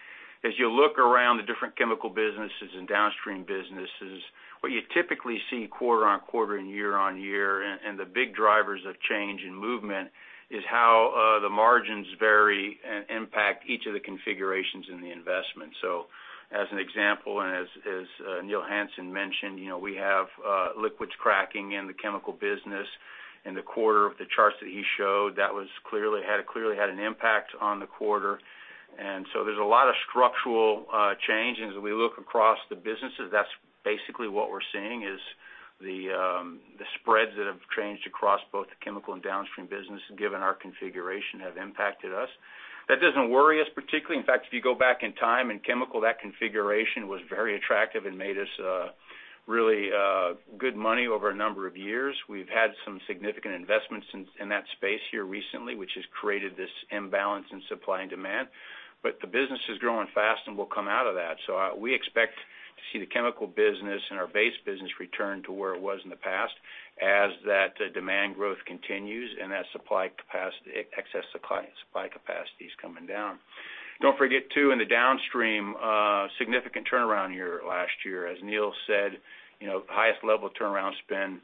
C: As you look around the different chemical businesses and downstream businesses, what you typically see quarter- on-quarter and year-on-year, and the big drivers of change in movement, is how the margins vary and impact each of the configurations in the investment. As an example, and as Neil Hansen mentioned, we have liquids cracking in the chemical business. In the quarter of the charts that he showed, that clearly had an impact on the quarter. There's a lot of structural changes. As we look across the businesses, that's basically what we're seeing, is the spreads that have changed across both the chemical and downstream business, given our configuration, have impacted us. That doesn't worry us particularly. In fact, if you go back in time, in chemical, that configuration was very attractive and made us really good money over a number of years. We've had some significant investments in that space here recently, which has created this imbalance in supply and demand. The business is growing fast and will come out of that. We expect to see the chemical business and our base business return to where it was in the past as that demand growth continues and that excess supply capacity is coming down. Don't forget too, in the downstream, significant turnaround year last year. As Neil said, highest level turnaround spend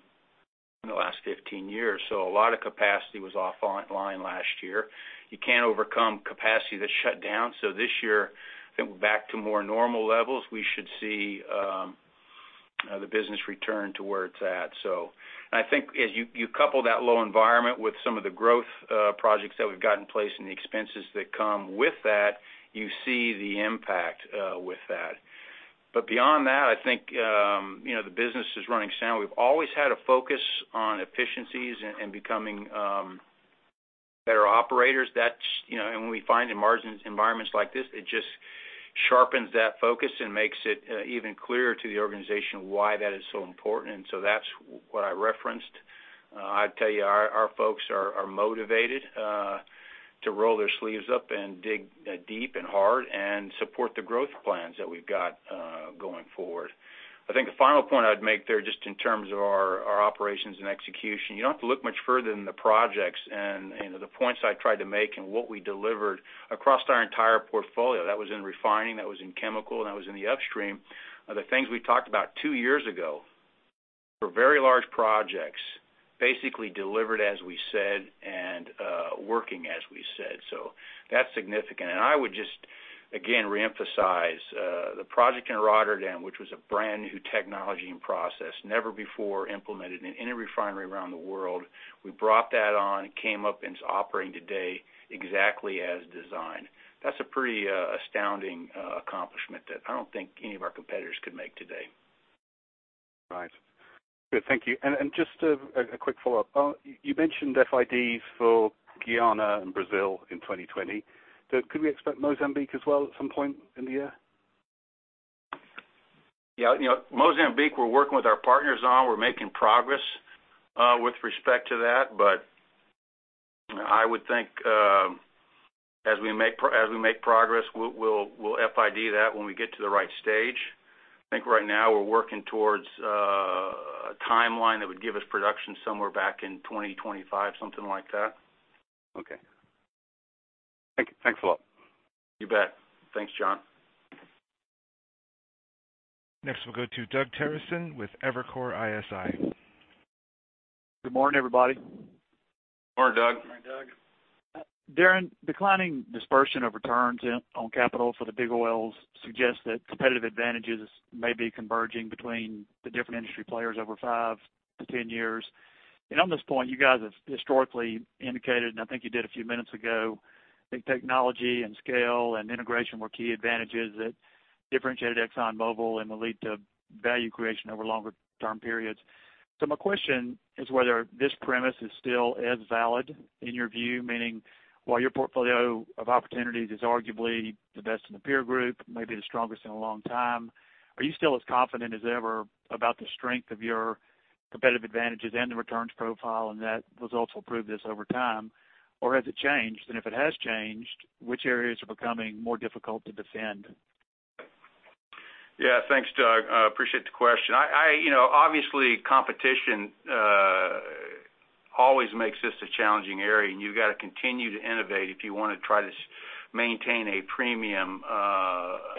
C: in the last 15 years. A lot of capacity was offline last year. You can't overcome capacity that's shut down. This year, I think we're back to more normal levels. We should see the business return to where it's at. I think as you couple that low environment with some of the growth projects that we've got in place and the expenses that come with that, you see the impact with that. Beyond that, I think the business is running sound. We've always had a focus on efficiencies and becoming better operators. When we find in margin environments like this, it just sharpens that focus and makes it even clearer to the organization why that is so important. That's what I referenced. I'd tell you, our folks are motivated to roll their sleeves up and dig deep and hard and support the growth plans that we've got going forward. I think the final point I'd make there, just in terms of our operations and execution, you don't have to look much further than the projects and the points I tried to make and what we delivered across our entire portfolio. That was in refining, that was in chemical, and that was in the upstream. The things we talked about two years ago were very large projects, basically delivered as we said and working as we said. That's significant. I would just, again, reemphasize the project in Rotterdam, which was a brand-new technology and process never before implemented in any refinery around the world. We brought that on, it came up, and it's operating today exactly as designed. That's a pretty astounding accomplishment that I don't think any of our competitors could make today.
E: Right. Good. Thank you. Just a quick follow-up. You mentioned FIDs for Guyana and Brazil in 2020. Could we expect Mozambique as well at some point in the year?
C: Yeah. Mozambique, we're working with our partners on. We're making progress with respect to that. I would think as we make progress, we'll FID that when we get to the right stage. I think right now we're working towards a timeline that would give us production somewhere back in 2025, something like that.
E: Okay. Thanks a lot.
C: You bet. Thanks, Jon.
A: Next, we'll go to Doug Terreson with Evercore ISI.
F: Good morning, everybody.
C: Morning, Doug.
B: Morning, Doug.
F: Darren, declining dispersion of returns on capital for the big oils suggests that competitive advantages may be converging between the different industry players over 5-10 years. On this point, you guys have historically indicated, and I think you did a few minutes ago, I think technology and scale and integration were key advantages that differentiated ExxonMobil and will lead to value creation over longer term periods. My question is whether this premise is still as valid in your view, meaning while your portfolio of opportunities is arguably the best in the peer group, maybe the strongest in a long time, are you still as confident as ever about the strength of your competitive advantages and the returns profile, and that results will prove this over time? Or has it changed? If it has changed, which areas are becoming more difficult to defend?
C: Yeah. Thanks, Doug. I appreciate the question. Competition always makes this a challenging area, you've got to continue to innovate if you want to try to maintain a premium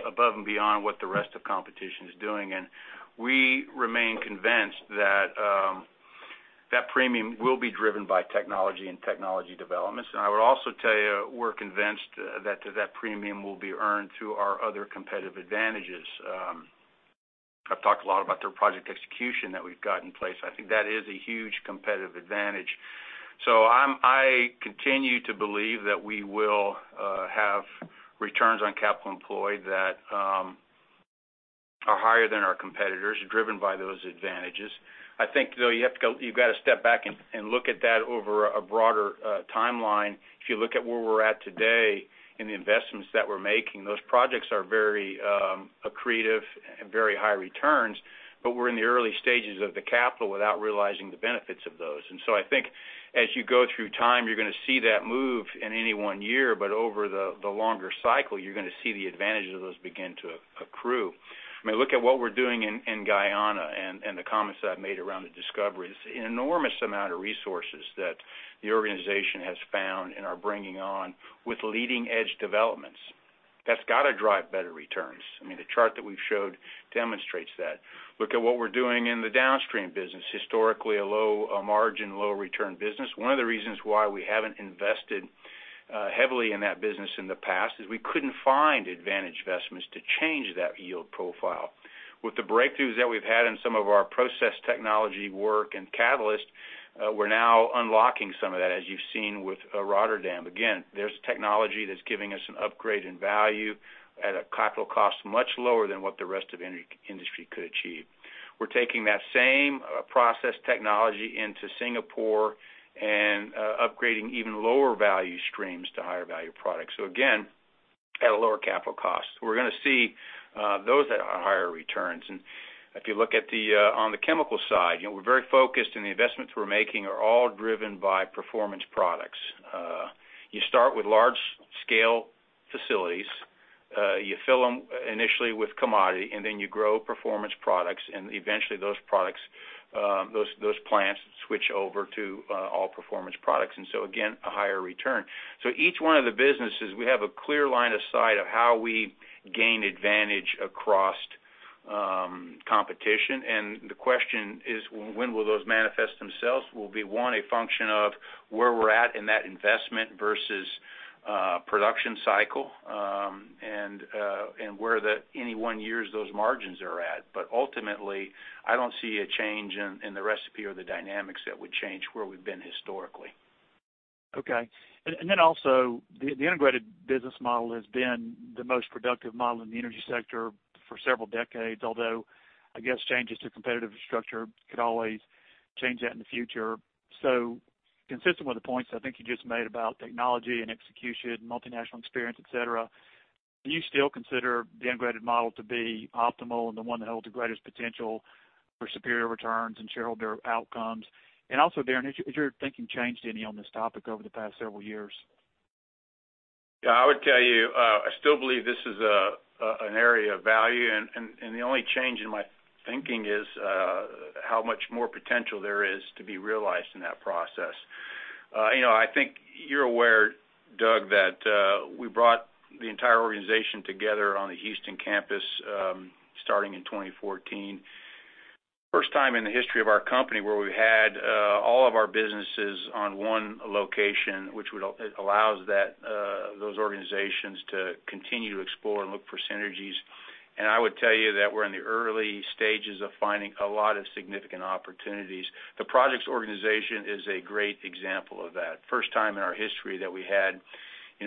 C: above and beyond what the rest of competition is doing. We remain convinced that premium will be driven by technology and technology developments. I would also tell you, we're convinced that premium will be earned through our other competitive advantages. I've talked a lot about their project execution that we've got in place. I think that is a huge competitive advantage. I continue to believe that we will have returns on capital employed that are higher than our competitors, driven by those advantages. I think though, you've got to step back and look at that over a broader timeline. If you look at where we're at today and the investments that we're making, those projects are very accretive and very high returns, but we're in the early stages of the capital without realizing the benefits of those. I think as you go through time, you're going to see that move in any one year, but over the longer cycle, you're going to see the advantage of those begin to accrue. Look at what we're doing in Guyana and the comments that I've made around the discoveries. An enormous amount of resources that the organization has found and are bringing on with leading-edge developments. That's got to drive better returns. The chart that we've showed demonstrates that. Look at what we're doing in the downstream business. Historically, a low margin, low return business. One of the reasons why we haven't invested heavily in that business in the past is we couldn't find advantage investments to change that yield profile. With the breakthroughs that we've had in some of our process technology work and catalyst, we're now unlocking some of that, as you've seen with Rotterdam. There's technology that's giving us an upgrade in value at a capital cost much lower than what the rest of the industry could achieve. We're taking that same process technology into Singapore and upgrading even lower value streams to higher value products. Again, at a lower capital cost. We're going to see those at higher returns. If you look on the chemical side, we're very focused, and the investments we're making are all driven by performance products. You start with large-scale facilities. You fill them initially with commodity, and then you grow performance products, and eventually those plants switch over to all performance products. Again, a higher return. Each one of the businesses, we have a clear line of sight of how we gain advantage across competition, and the question is when will those manifest themselves? Will be, one, a function of where we're at in that investment versus production cycle, and where any one year those margins are at. Ultimately, I don't see a change in the recipe or the dynamics that would change where we've been historically.
F: Okay. The integrated business model has been the most productive model in the energy sector for several decades, although I guess changes to competitive structure could always change that in the future. Consistent with the points I think you just made about technology and execution, multinational experience, et cetera, do you still consider the integrated model to be optimal and the one that holds the greatest potential for superior returns and shareholder outcomes? Darren, has your thinking changed any on this topic over the past several years?
C: Yeah. I would tell you, I still believe this is an area of value, and the only change in my thinking is how much more potential there is to be realized in that process. I think you're aware, Doug, that we brought the entire organization together on the Houston campus starting in 2014. First time in the history of our company where we had all of our businesses on one location, which allows those organizations to continue to explore and look for synergies. I would tell you that we're in the early stages of finding a lot of significant opportunities. The projects organization is a great example of that. First time in our history that we had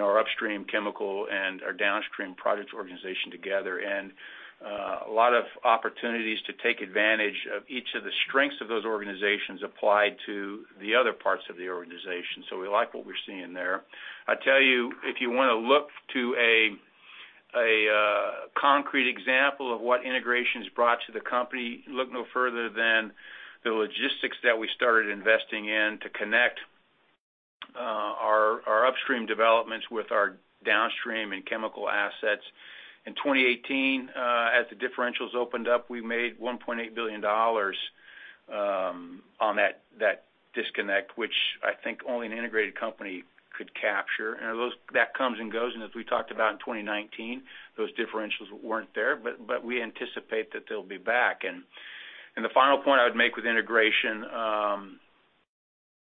C: our upstream chemical and our downstream projects organization together, a lot of opportunities to take advantage of each of the strengths of those organizations applied to the other parts of the organization. We like what we're seeing there. I tell you, if you want to look to a concrete example of what integration's brought to the company, look no further than the logistics that we started investing in to connect our upstream developments with our downstream and chemical assets. In 2018, as the differentials opened up, we made $1.8 billion on that disconnect, which I think only an integrated company could capture. That comes and goes, as we talked about in 2019, those differentials weren't there, we anticipate that they'll be back. The final point I would make with integration,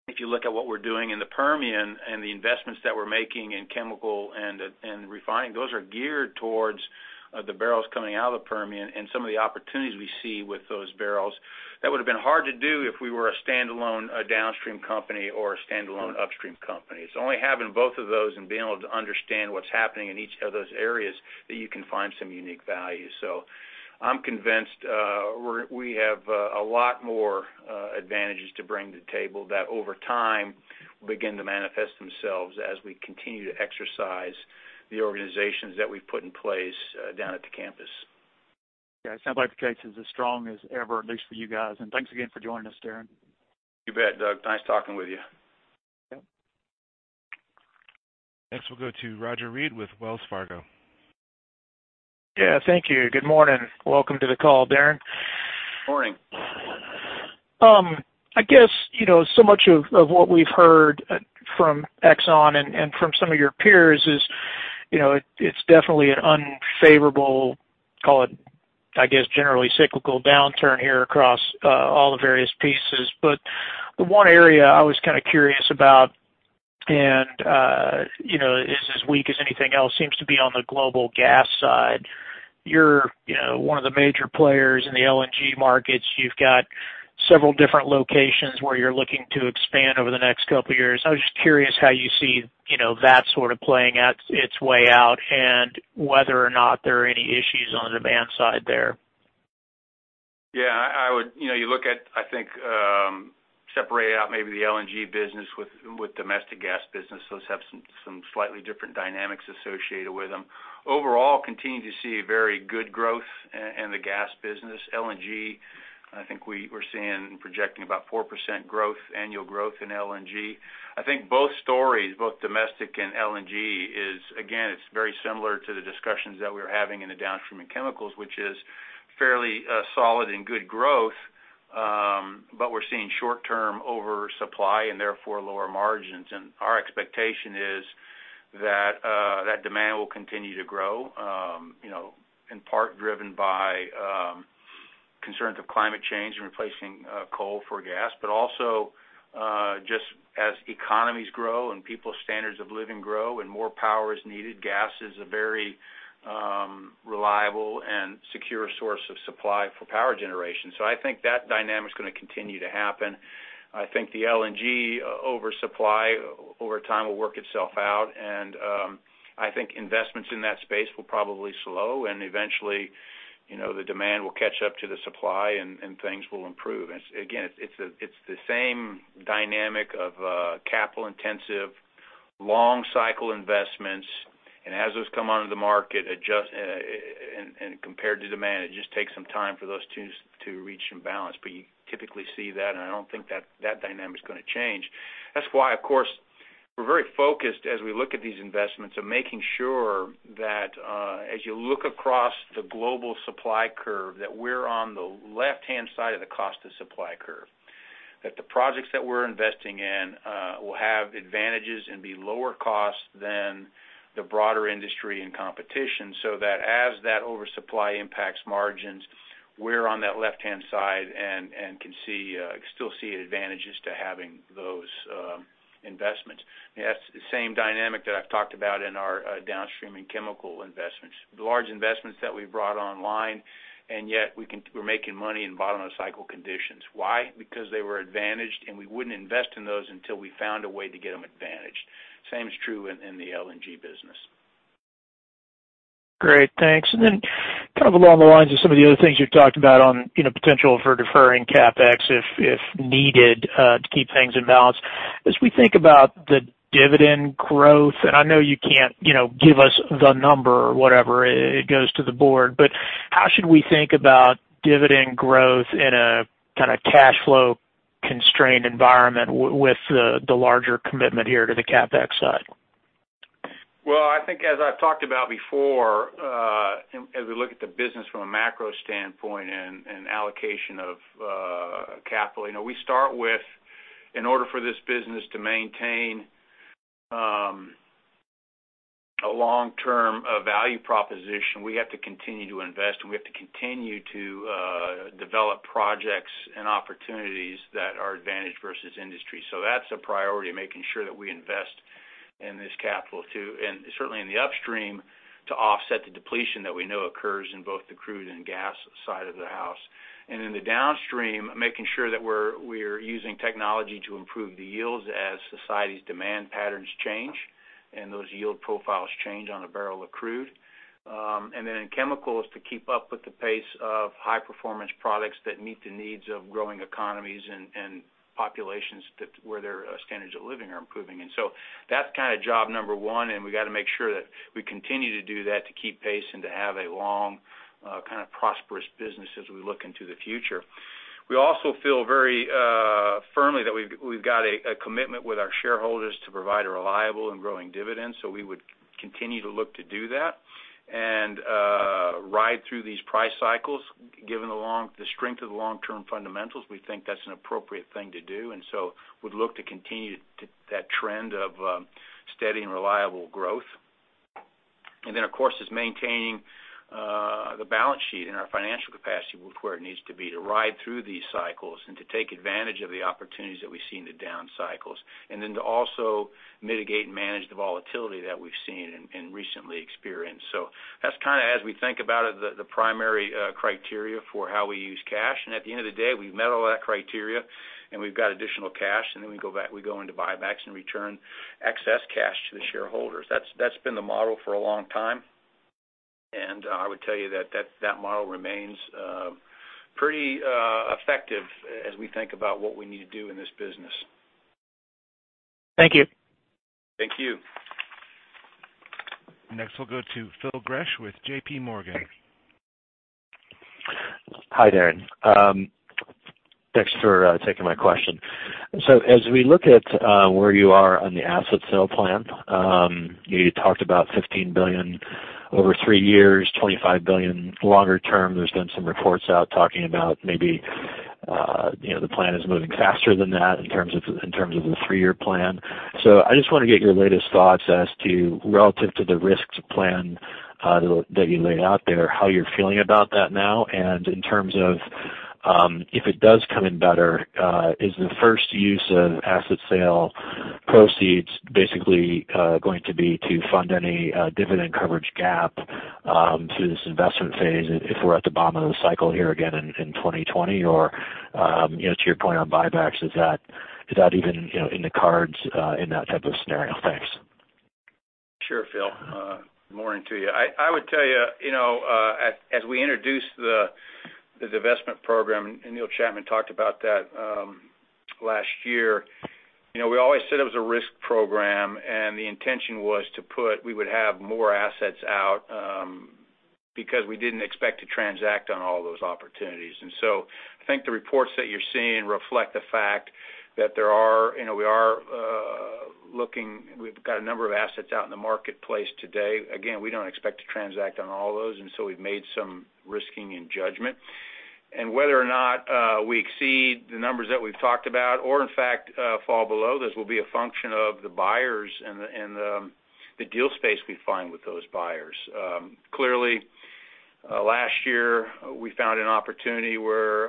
C: if you look at what we're doing in the Permian and the investments that we're making in chemical and refining, those are geared towards the barrels coming out of the Permian and some of the opportunities we see with those barrels. That would've been hard to do if we were a standalone downstream company or a standalone upstream company. It's only having both of those and being able to understand what's happening in each of those areas that you can find some unique value. I'm convinced we have a lot more advantages to bring to the table that over time will begin to manifest themselves as we continue to exercise the organizations that we've put in place down at the campus.
F: Yeah. It sounds like the case is as strong as ever, at least for you guys. Thanks again for joining us, Darren.
C: You bet, Doug. Nice talking with you.
F: Yep.
A: Next, we'll go to Roger Read with Wells Fargo.
G: Yeah, thank you. Good morning. Welcome to the call, Darren.
C: Morning.
G: I guess so much of what we've heard from Exxon and from some of your peers is. It's definitely an unfavorable, call it, I guess, generally cyclical downturn here across all the various pieces. The one area I was kind of curious about and is as weak as anything else, seems to be on the global gas side. You're one of the major players in the LNG markets. You've got several different locations where you're looking to expand over the next couple of years. I was just curious how you see that sort of playing out its way out, and whether or not there are any issues on the demand side there.
C: Yeah. You look at, I think, separate out maybe the LNG business with domestic gas business. Those have some slightly different dynamics associated with them. Overall, continue to see very good growth in the gas business. LNG, I think we're seeing and projecting about 4% annual growth in LNG. I think both stories, both domestic and LNG, again, it's very similar to the discussions that we're having in the downstream and chemicals, which is fairly solid and good growth. We're seeing short-term oversupply and therefore lower margins. Our expectation is that demand will continue to grow, in part driven by concerns of climate change and replacing coal for gas. Also, just as economies grow and people's standards of living grow and more power is needed, gas is a very reliable and secure source of supply for power generation. I think that dynamic's going to continue to happen. I think the LNG oversupply over time will work itself out. I think investments in that space will probably slow. Eventually, the demand will catch up to the supply, and things will improve. Again, it's the same dynamic of capital-intensive, long-cycle investments. As those come onto the market and compared to demand, it just takes some time for those two to reach some balance. You typically see that, and I don't think that dynamic's going to change. That's why, of course, we're very focused as we look at these investments of making sure that as you look across the global supply curve, that we're on the left-hand side of the cost of supply curve. The projects that we're investing in will have advantages and be lower cost than the broader industry and competition, so that as that oversupply impacts margins, we're on that left-hand side and can still see advantages to having those investments. That's the same dynamic that I've talked about in our downstream and chemical investments. The large investments that we've brought online, and yet we're making money in bottom-of-the-cycle conditions. Why? Because they were advantaged, and we wouldn't invest in those until we found a way to get them advantaged. Same is true in the LNG business.
G: Great, thanks. Then kind of along the lines of some of the other things you've talked about on potential for deferring CapEx if needed to keep things in balance. As we think about the dividend growth, and I know you can't give us the number or whatever, it goes to the board. How should we think about dividend growth in a kind of cash flow constrained environment with the larger commitment here to the CapEx side?
C: I think as I've talked about before, as we look at the business from a macro standpoint and allocation of capital. We start with, in order for this business to maintain a long-term value proposition, we have to continue to invest, and we have to continue to develop projects and opportunities that are advantaged versus industry. That's a priority, making sure that we invest in this capital too, and certainly in the upstream to offset the depletion that we know occurs in both the crude and gas side of the house. In the downstream, making sure that we're using technology to improve the yields as society's demand patterns change and those yield profiles change on a barrel of crude. Then in chemicals, to keep up with the pace of high-performance products that meet the needs of growing economies and populations where their standards of living are improving. That's kind of job number one, and we got to make sure that we continue to do that to keep pace and to have a long kind of prosperous business as we look into the future. We also feel very firmly that we've got a commitment with our shareholders to provide a reliable and growing dividend. We would continue to look to do that and ride through these price cycles. Given the strength of the long-term fundamentals, we think that's an appropriate thing to do. We'd look to continue that trend of steady and reliable growth. Of course, is maintaining the balance sheet and our financial capacity where it needs to be to ride through these cycles and to take advantage of the opportunities that we see in the down cycles. To also mitigate and manage the volatility that we've seen and recently experienced. That's kind of, as we think about it, the primary criteria for how we use cash. At the end of the day, we've met all that criteria and we've got additional cash, and then we go into buybacks and return excess cash to the shareholders. That's been the model for a long time, and I would tell you that model remains pretty effective as we think about what we need to do in this business.
G: Thank you.
C: Thank you.
A: Next, we'll go to Phil Gresh with JPMorgan.
H: Hi, Darren. Thanks for taking my question. As we look at where you are on the asset sale plan, you talked about $15 billion over three years, $25 billion longer term. There's been some reports out talking about the plan is moving faster than that in terms of the three-year plan. I just want to get your latest thoughts as to relative to the risks plan that you laid out there, how you're feeling about that now, and in terms of if it does come in better, is the first use of asset sale proceeds basically going to be to fund any dividend coverage gap through this investment phase if we're at the bottom of the cycle here again in 2020, or to your point on buybacks, is that even in the cards in that type of scenario? Thanks.
C: Sure, Phil. Morning to you. I would tell you as we introduced the divestment program. Neil Chapman talked about that last year. We always said it was a risk program. The intention was we would have more assets out because we didn't expect to transact on all those opportunities. I think the reports that you're seeing reflect the fact that we've got a number of assets out in the marketplace today. Again, we don't expect to transact on all those. We've made some risking in judgment. Whether or not we exceed the numbers that we've talked about or in fact fall below this will be a function of the buyers and the deal space we find with those buyers. Clearly, last year we found an opportunity where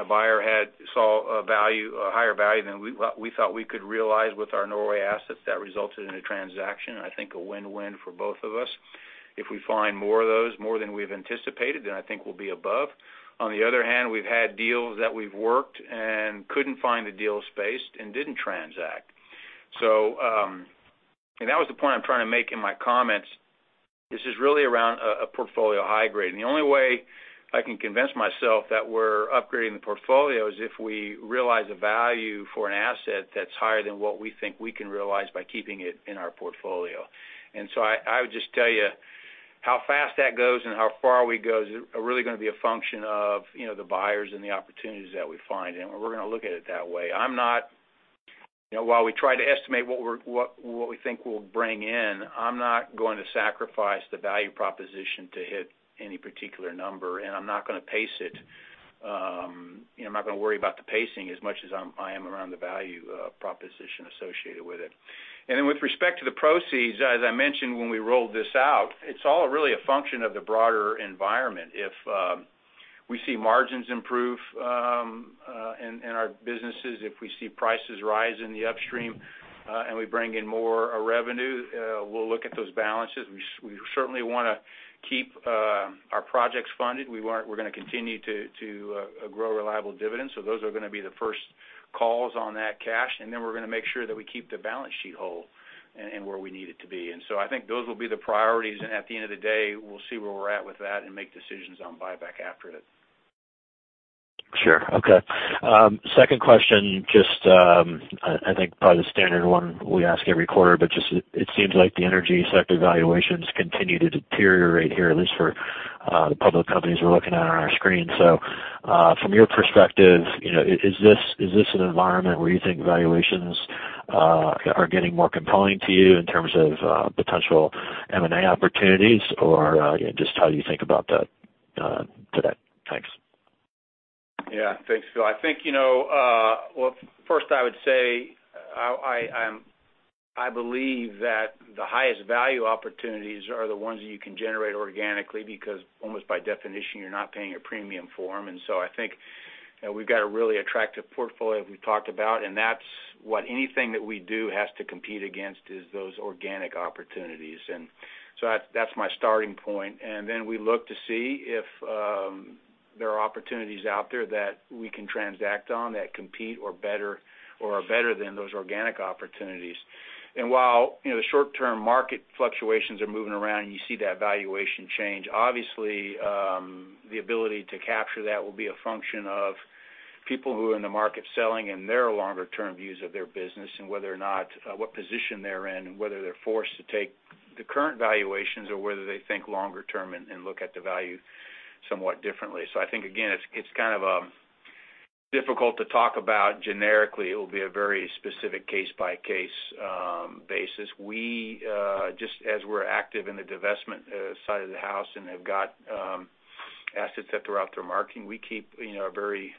C: a buyer had saw a higher value than we thought we could realize with our Norway assets that resulted in a transaction, and I think a win-win for both of us. If we find more of those, more than we've anticipated, then I think we'll be above. On the other hand, we've had deals that we've worked and couldn't find the deal space and didn't transact. That was the point I'm trying to make in my comments. This is really around a portfolio high grade. The only way I can convince myself that we're upgrading the portfolio is if we realize a value for an asset that's higher than what we think we can realize by keeping it in our portfolio. I would just tell you how fast that goes and how far we go is really going to be a function of the buyers and the opportunities that we find, and we're going to look at it that way. While we try to estimate what we think we'll bring in, I'm not going to sacrifice the value proposition to hit any particular number, and I'm not going to pace it. I'm not going to worry about the pacing as much as I am around the value proposition associated with it. With respect to the proceeds, as I mentioned when we rolled this out, it's all really a function of the broader environment. If we see margins improve in our businesses, if we see prices rise in the upstream, and we bring in more revenue, we'll look at those balances. We certainly want to keep our projects funded. We're going to continue to grow a reliable dividend. Those are going to be the first calls on that cash, we're going to make sure that we keep the balance sheet whole and where we need it to be. I think those will be the priorities, at the end of the day, we'll see where we're at with that and make decisions on buyback after it.
H: Sure. Okay. Second question, just I think probably the standard one we ask every quarter, but just it seems like the energy sector valuations continue to deteriorate here, at least for the public companies we're looking at on our screen. From your perspective, is this an environment where you think valuations are getting more compelling to you in terms of potential M&A opportunities? Or just how do you think about that today? Thanks.
C: Yeah. Thanks, Phil. I think first I would say I believe that the highest value opportunities are the ones that you can generate organically because almost by definition, you're not paying a premium for them. I think we've got a really attractive portfolio as we talked about, and that's what anything that we do has to compete against is those organic opportunities. That's my starting point. Then we look to see if there are opportunities out there that we can transact on that compete or are better than those organic opportunities. While the short-term market fluctuations are moving around and you see that valuation change, obviously, the ability to capture that will be a function of people who are in the market selling and their longer-term views of their business and what position they're in and whether they're forced to take the current valuations or whether they think longer term and look at the value somewhat differently. I think, again, it's kind of difficult to talk about generically. It will be a very specific case-by-case basis. Just as we're active in the divestment side of the house and have got assets that are out there marketing, we keep a very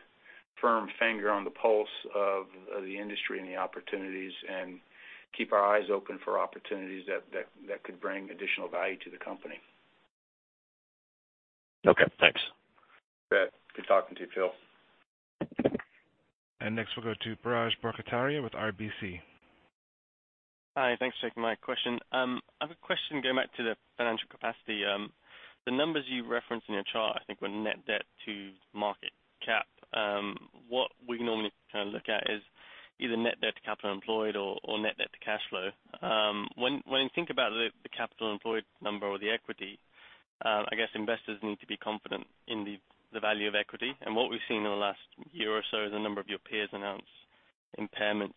C: firm finger on the pulse of the industry and the opportunities and keep our eyes open for opportunities that could bring additional value to the company.
H: Okay, thanks.
C: You bet. Good talking to you, Phil.
A: Next, we'll go to Biraj Borkhataria with RBC.
I: Hi, thanks for taking my question. I have a question going back to the financial capacity. The numbers you referenced in your chart, I think were net debt to market cap. What we normally kind of look at is either net debt to capital employed or net debt to cash flow. When you think about the capital employed number or the equity, I guess investors need to be confident in the value of equity. What we've seen in the last year or so is a number of your peers announce impairments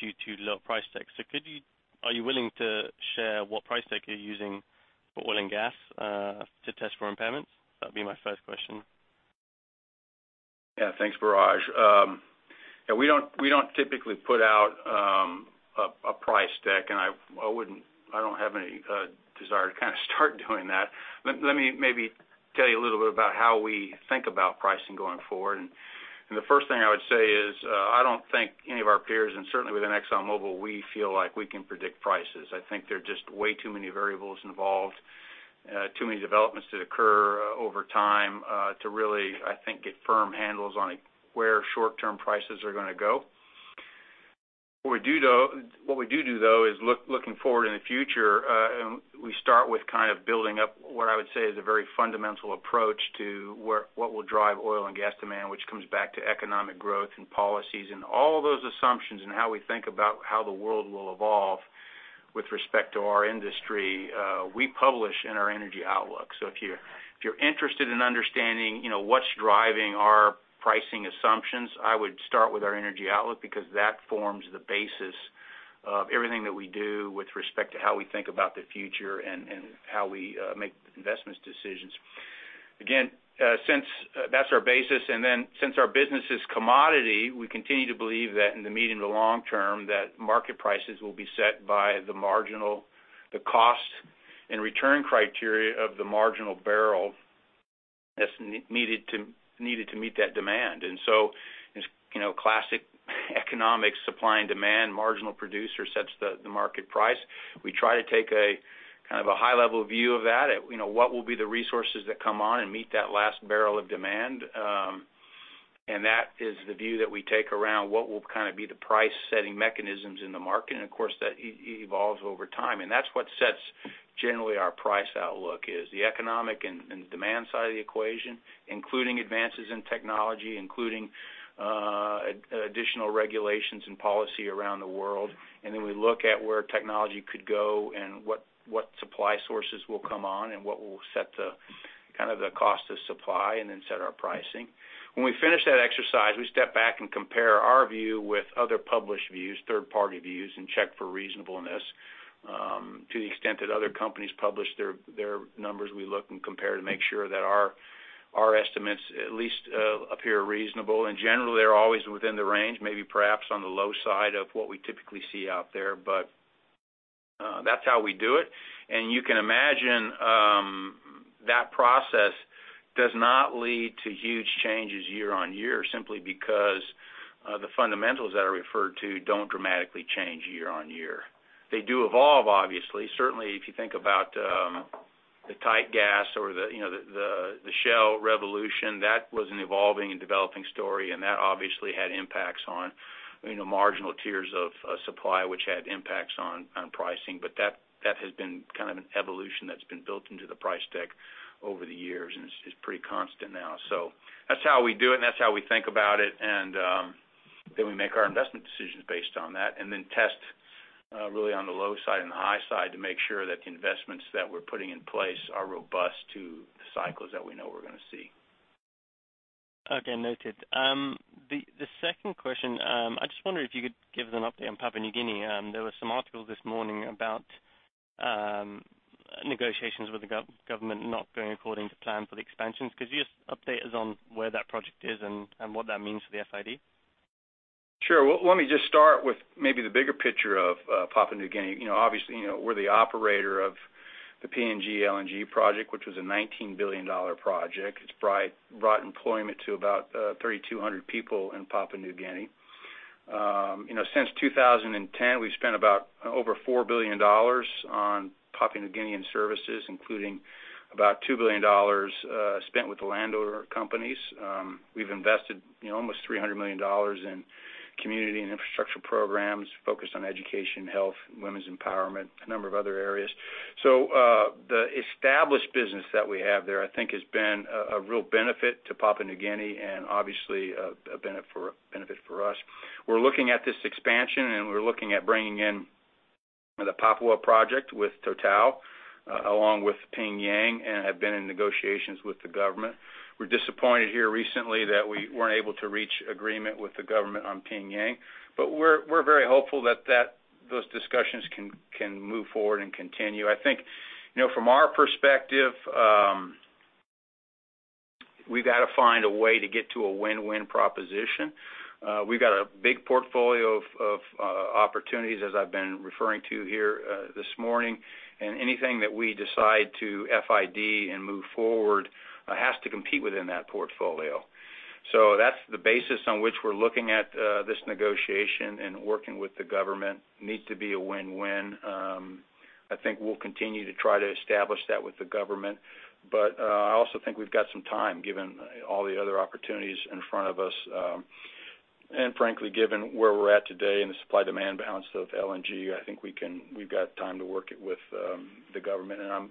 I: due to low price decks. Are you willing to share what price deck you're using for oil and gas to test for impairments? That'd be my first question.
C: Yeah. Thanks, Biraj. Yeah, we don't typically put out price deck, and I don't have any desire to start doing that. Let me maybe tell you a little bit about how we think about pricing going forward. The first thing I would say is, I don't think any of our peers, and certainly within ExxonMobil, we feel like we can predict prices. I think there are just way too many variables involved, too many developments that occur over time to really, I think, get firm handles on where short-term prices are going to go. What we do, though, is looking forward in the future, we start with building up what I would say is a very fundamental approach to what will drive oil and gas demand, which comes back to economic growth and policies and all those assumptions and how we think about how the world will evolve with respect to our industry, we publish in our Global Outlook. If you're interested in understanding what's driving our pricing assumptions, I would start with our Global Outlook because that forms the basis of everything that we do with respect to how we think about the future and how we make investments decisions. Since that's our basis, since our business is commodity, we continue to believe that in the medium to long term, that market prices will be set by the cost and return criteria of the marginal barrel that's needed to meet that demand. Classic economics, supply and demand, marginal producer sets the market price. We try to take a high-level view of that. What will be the resources that come on and meet that last barrel of demand? That is the view that we take around what will be the price-setting mechanisms in the market, and of course, that evolves over time. That's what sets generally our price outlook is the economic and demand side of the equation, including advances in technology, including additional regulations and policy around the world. We look at where technology could go and what supply sources will come on and what will set the cost of supply and then set our pricing. When we finish that exercise, we step back and compare our view with other published views, third-party views, and check for reasonableness. To the extent that other companies publish their numbers, we look and compare to make sure that our estimates at least appear reasonable. Generally, they're always within the range, maybe perhaps on the low side of what we typically see out there. That's how we do it. You can imagine that process does not lead to huge changes year-on-year simply because the fundamentals that I referred to don't dramatically change year-on-year. They do evolve, obviously. Certainly, if you think about the tight gas or the shale revolution, that was an evolving and developing story, and that obviously had impacts on marginal tiers of supply, which had impacts on pricing. That has been kind of an evolution that's been built into the price deck over the years and is pretty constant now. That's how we do it, and that's how we think about it, and then we make our investment decisions based on that and then test really on the low side and the high side to make sure that the investments that we're putting in place are robust to the cycles that we know we're going to see.
I: Okay, noted. The second question, I just wonder if you could give us an update on Papua New Guinea. There were some articles this morning about negotiations with the government not going according to plan for the expansions. Could you just update us on where that project is and what that means for the FID?
C: Sure. Well, let me just start with maybe the bigger picture of Papua New Guinea. We're the operator of the PNG LNG project, which was a $19 billion project. It's brought employment to about 3,200 people in Papua New Guinea. Since 2010, we've spent about over $4 billion on Papua New Guinean services, including about $2 billion spent with the landowner companies. We've invested almost $300 million in community and infrastructure programs focused on education, health, women's empowerment, a number of other areas. The established business that we have there, I think, has been a real benefit to Papua New Guinea and obviously a benefit for us. We're looking at this expansion, we're looking at bringing in the Papua project with Total along with PNG and have been in negotiations with the government. We're disappointed here recently that we weren't able to reach agreement with the government on PNG. We're very hopeful that those discussions can move forward and continue. I think from our perspective, we've got to find a way to get to a win-win proposition. We've got a big portfolio of opportunities, as I've been referring to here this morning, and anything that we decide to FID and move forward has to compete within that portfolio. That's the basis on which we're looking at this negotiation and working with the government. Needs to be a win-win. I think we'll continue to try to establish that with the government. I also think we've got some time, given all the other opportunities in front of us. Frankly, given where we're at today in the supply-demand balance of LNG, I think we've got time to work it with the government. I'm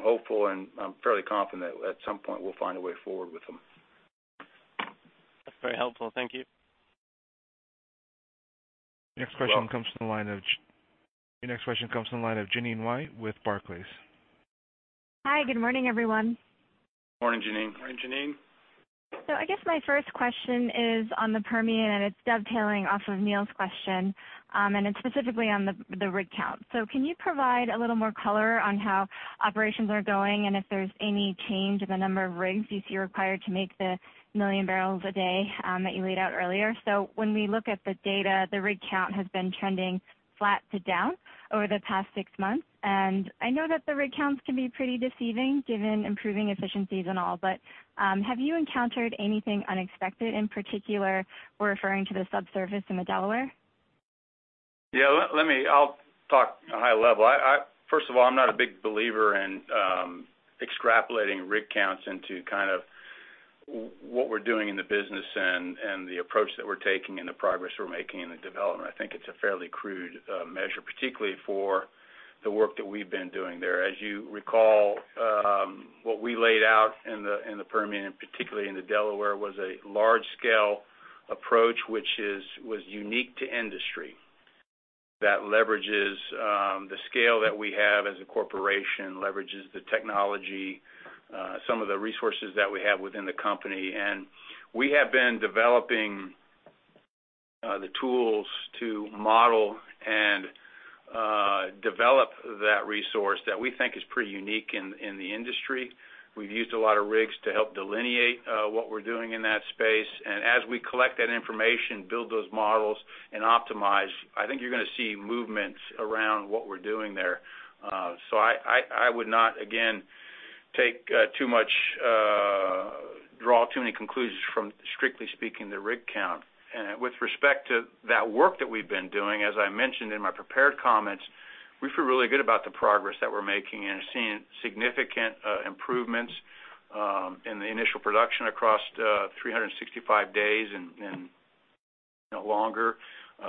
C: hopeful, and I'm fairly confident at some point we'll find a way forward with them.
I: That's very helpful. Thank you.
A: Your next question comes from the line of Jeanine Wai with Barclays.
J: Hi, good morning, everyone.
C: Morning, Jeanine.
J: I guess my first question is on the Permian, and it's dovetailing off of Neil's question, and it's specifically on the rig count. Can you provide a little more color on how operations are going and if there's any change in the number of rigs you see required to make the million barrels a day that you laid out earlier? When we look at the data, the rig count has been trending flat to down over the past six months. I know that the rig counts can be pretty deceiving given improving efficiencies and all, but have you encountered anything unexpected in particular or referring to the subsurface in the Delaware?
C: Yeah. I'll talk a high level. First of all, I'm not a big believer in extrapolating rig counts into kind of what we're doing in the business and the approach that we're taking and the progress we're making in the development. I think it's a fairly crude measure, particularly for the work that we've been doing there. As you recall, what we laid out in the Permian, and particularly in the Delaware, was a large-scale approach, which was unique to industry, that leverages the scale that we have as a corporation, leverages the technology, some of the resources that we have within the company. We have been developing the tools to model and develop that resource that we think is pretty unique in the industry. We've used a lot of rigs to help delineate what we're doing in that space. As we collect that information, build those models, and optimize, I think you're going to see movements around what we're doing there. I would not, again, draw too many conclusions from strictly speaking the rig count. With respect to that work that we've been doing, as I mentioned in my prepared comments, we feel really good about the progress that we're making and are seeing significant improvements in the initial production across 365 days and longer.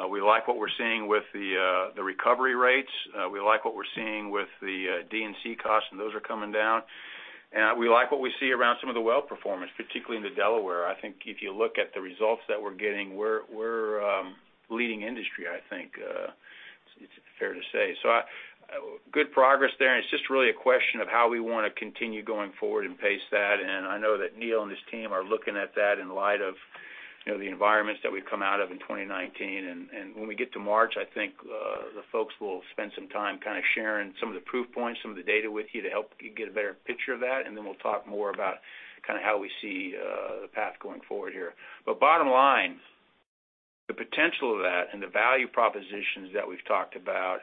C: We like what we're seeing with the recovery rates. We like what we're seeing with the D&C costs, and those are coming down. We like what we see around some of the well performance, particularly in the Delaware. I think if you look at the results that we're getting, we're leading industry, I think, it's fair to say. Good progress there, it's just really a question of how we want to continue going forward and pace that. I know that Neil and his team are looking at that in light of the environments that we've come out of in 2019. When we get to March, I think the folks will spend some time kind of sharing some of the proof points, some of the data with you to help you get a better picture of that, we'll talk more about how we see the path going forward here. Bottom line, the potential of that and the value propositions that we've talked about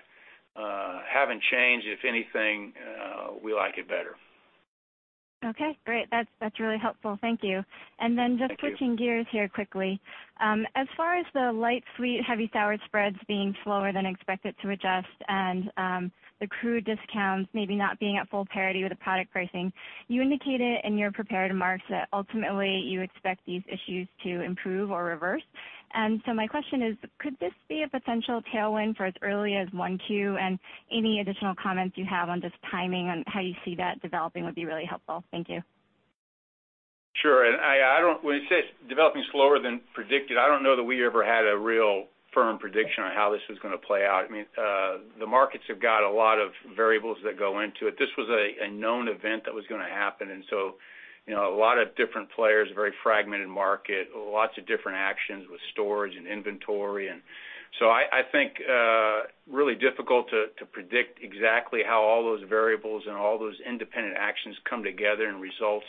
C: haven't changed. If anything, we like it better.
J: Okay, great. That's really helpful. Thank you.
C: Thank you.
J: Just switching gears here quickly. As far as the light sweet, heavy sour spreads being slower than expected to adjust and the crude discounts maybe not being at full parity with the product pricing, you indicated in your prepared remarks that ultimately you expect these issues to improve or reverse. My question is, could this be a potential tailwind for as early as 1Q? Any additional comments you have on just timing on how you see that developing would be really helpful. Thank you.
C: Sure. When you say it's developing slower than predicted, I don't know that we ever had a real firm prediction on how this was going to play out. I mean, the markets have got a lot of variables that go into it. This was a known event that was going to happen. A lot of different players, a very fragmented market, lots of different actions with storage and inventory. I think really difficult to predict exactly how all those variables and all those independent actions come together and result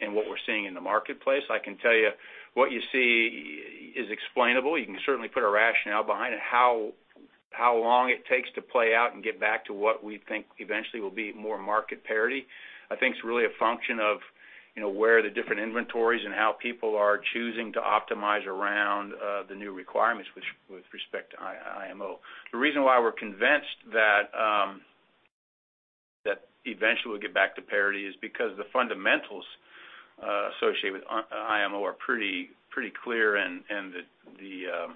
C: in what we're seeing in the marketplace. I can tell you what you see is explainable. You can certainly put a rationale behind it. How long it takes to play out and get back to what we think eventually will be more market parity, I think is really a function of where the different inventories and how people are choosing to optimize around the new requirements with respect to IMO. The reason why we're convinced that eventually we'll get back to parity is because the fundamentals associated with IMO are pretty clear, and the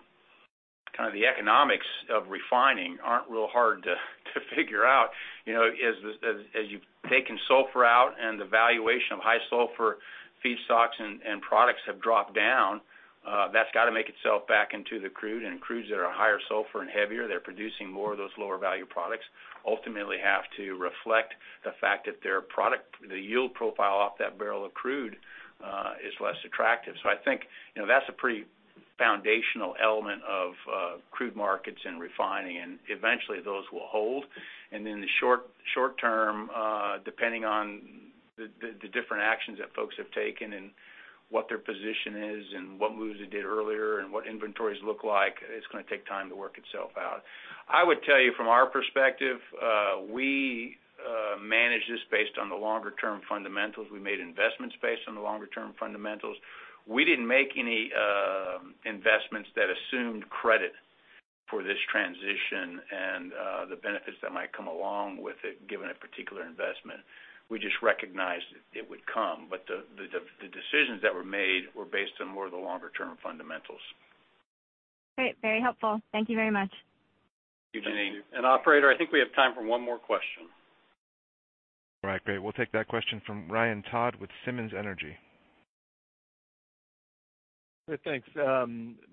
C: kind of the economics of refining aren't real hard to figure out. As you've taken sulfur out and the valuation of high sulfur feedstocks and products have dropped down, that's got to make itself back into the crude and crudes that are higher sulfur and heavier, they're producing more of those lower value products, ultimately have to reflect the fact that their product, the yield profile off that barrel of crude, is less attractive. I think that's a pretty foundational element of crude markets and refining, eventually those will hold. In the short term, depending on the different actions that folks have taken and what their position is and what moves they did earlier and what inventories look like, it's going to take time to work itself out. I would tell you from our perspective, we manage this based on the longer term fundamentals. We made investments based on the longer term fundamentals. We didn't make any investments that assumed credit for this transition and the benefits that might come along with it, given a particular investment. We just recognized it would come, but the decisions that were made were based on more of the longer term fundamentals.
J: Great. Very helpful. Thank you very much.
C: Thank you, Jeanine.
B: Operator, I think we have time for one more question.
A: Right. Great. We'll take that question from Ryan Todd with Simmons Energy.
K: Thanks.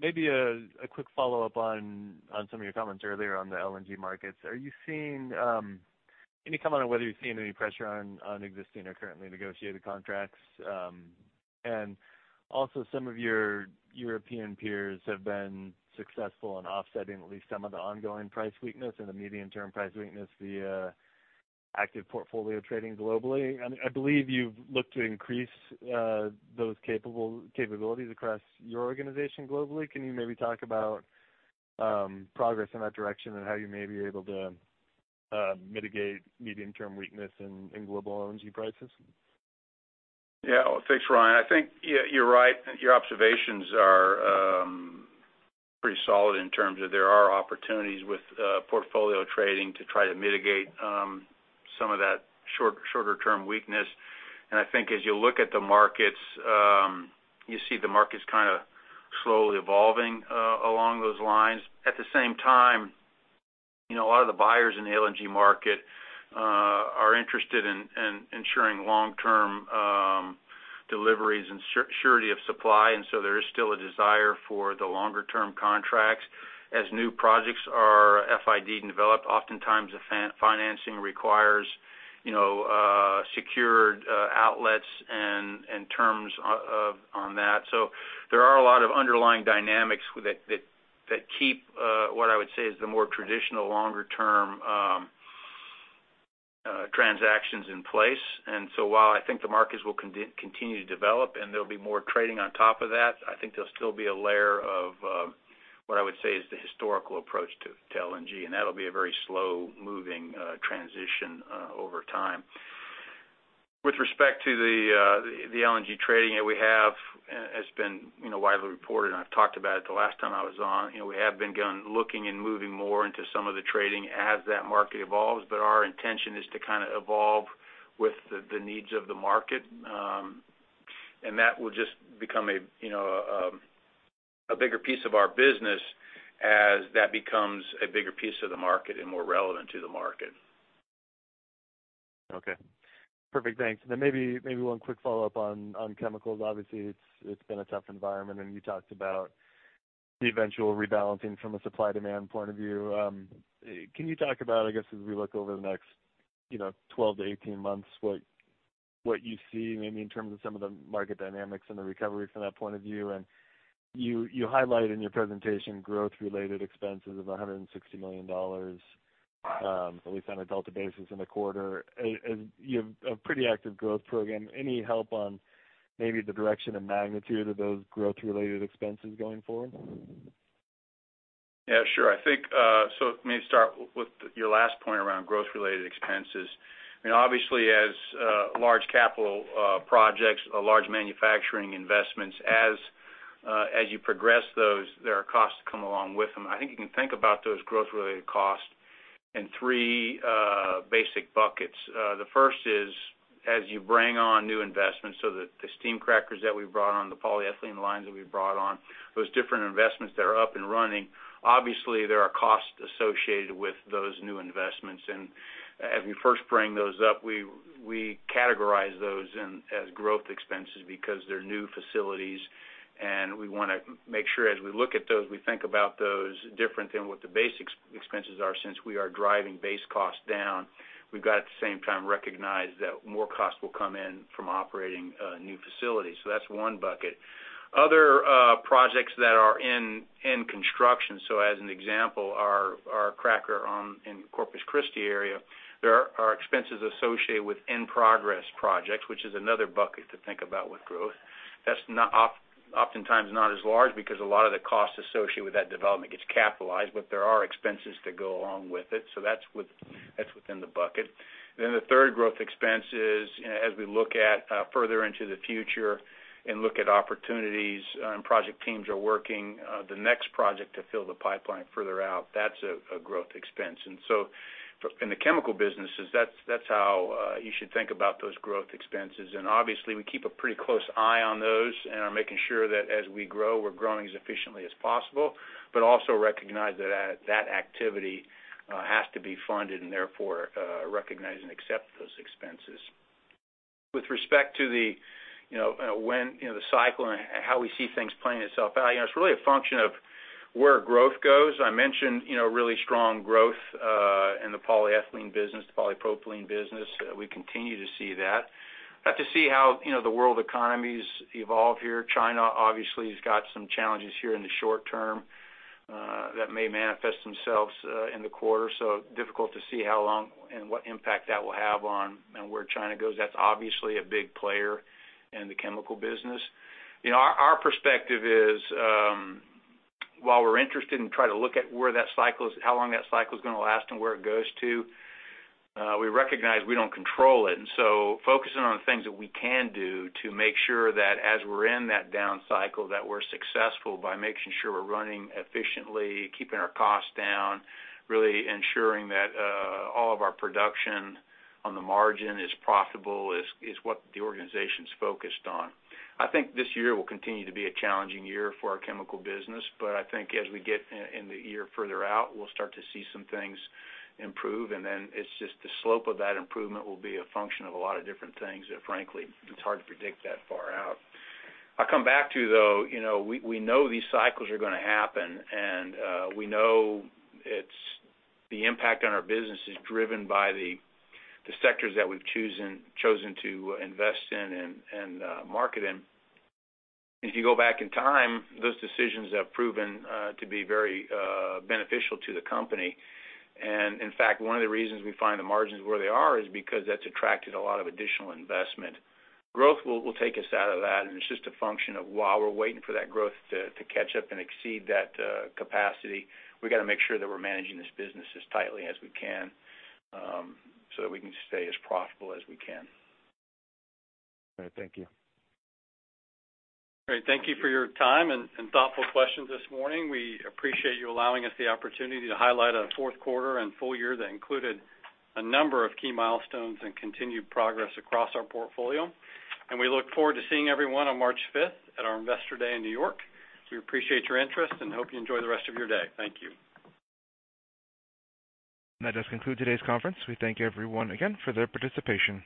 K: Maybe a quick follow-up on some of your comments earlier on the LNG markets. Any comment on whether you're seeing any pressure on existing or currently negotiated contracts? Some of your European peers have been successful in offsetting at least some of the ongoing price weakness and the medium-term price weakness via active portfolio trading globally. I believe you've looked to increase those capabilities across your organization globally. Can you maybe talk about progress in that direction and how you may be able to mitigate medium-term weakness in global LNG prices?
C: Thanks, Ryan. I think you're right. Your observations are pretty solid in terms of there are opportunities with portfolio trading to try to mitigate some of that shorter term weakness. I think as you look at the markets, you see the markets kind of slowly evolving along those lines. At the same time, a lot of the buyers in the LNG market are interested in ensuring long-term deliveries and surety of supply. There is still a desire for the longer-term contracts. As new projects are FID and developed, oftentimes the financing requires secured outlets and terms on that. There are a lot of underlying dynamics that keep what I would say is the more traditional longer-term transactions in place. While I think the markets will continue to develop and there'll be more trading on top of that, I think there'll still be a layer of what I would say is the historical approach to LNG, and that'll be a very slow-moving transition over time. With respect to the LNG trading that we have, as been widely reported, and I've talked about it the last time I was on. We have been looking and moving more into some of the trading as that market evolves, but our intention is to kind of evolve with the needs of the market. That will just become a bigger piece of our business as that becomes a bigger piece of the market and more relevant to the market.
K: Okay. Perfect. Thanks. Maybe one quick follow-up on chemicals. Obviously, it's been a tough environment, and you talked about the eventual rebalancing from a supply-demand point of view. Can you talk about, I guess, as we look over the next 12-18 months, what you see maybe in terms of some of the market dynamics and the recovery from that point of view? You highlight in your presentation growth-related expenses of $160 million, at least on a delta basis in the quarter. You have a pretty active growth program. Any help on maybe the direction and magnitude of those growth-related expenses going forward?
C: Yeah, sure. maybe start with your last point around growth-related expenses. Obviously as large capital projects or large manufacturing investments, as you progress those, there are costs that come along with them. I think you can think about those growth-related costs in three basic buckets. The first is as you bring on new investments, so the steam crackers that we brought on, the polyethylene lines that we brought on, those different investments that are up and running. Obviously, there are costs associated with those new investments. as we first bring those up, we categorize those as growth expenses because they're new facilities, and we want to make sure as we look at those, we think about those different than what the base expenses are since we are driving base costs down. We've got to at the same time recognize that more costs will come in from operating new facilities. That's one bucket. Other projects that are in construction. As an example, our cracker in Corpus Christi area. There are expenses associated with in-progress projects, which is another bucket to think about with growth. That's oftentimes not as large because a lot of the cost associated with that development gets capitalized, but there are expenses to go along with it. That's within the bucket. The third growth expense is as we look at further into the future and look at opportunities and project teams are working the next project to fill the pipeline further out. That's a growth expense. In the chemical businesses, that's how you should think about those growth expenses. Obviously we keep a pretty close eye on those and are making sure that as we grow, we're growing as efficiently as possible, but also recognize that activity has to be funded and therefore recognize and accept those expenses. With respect to the cycle and how we see things playing itself out, it's really a function of where growth goes. I mentioned really strong growth in the polyethylene business, the polypropylene business. We continue to see that. We'll have to see how the world economies evolve here. China obviously has got some challenges here in the short term that may manifest themselves in the quarter. Difficult to see how long and what impact that will have on where China goes. That's obviously a big player in the chemical business. Our perspective is while we're interested in trying to look at how long that cycle is going to last and where it goes to, we recognize we don't control it. Focusing on things that we can do to make sure that as we're in that down cycle, that we're successful by making sure we're running efficiently, keeping our costs down, really ensuring that all of our production on the margin is profitable is what the organization's focused on. I think this year will continue to be a challenging year for our chemical business. I think as we get in the year further out, we'll start to see some things improve. It's just the slope of that improvement will be a function of a lot of different things that frankly, it's hard to predict that far out. I come back to though, we know these cycles are going to happen. We know the impact on our business is driven by the sectors that we've chosen to invest in and market in. If you go back in time, those decisions have proven to be very beneficial to the company. In fact, one of the reasons we find the margins where they are is because that's attracted a lot of additional investment. Growth will take us out of that. It's just a function of while we're waiting for that growth to catch up and exceed that capacity, we've got to make sure that we're managing this business as tightly as we can so that we can stay as profitable as we can.
K: All right. Thank you.
C: All right. Thank you for your time and thoughtful questions this morning. We appreciate you allowing us the opportunity to highlight a fourth quarter and full year that included a number of key milestones and continued progress across our portfolio. We look forward to seeing everyone on March 5th at our Investor Day in New York. We appreciate your interest and hope you enjoy the rest of your day. Thank you.
A: That does conclude today's conference. We thank everyone again for their participation.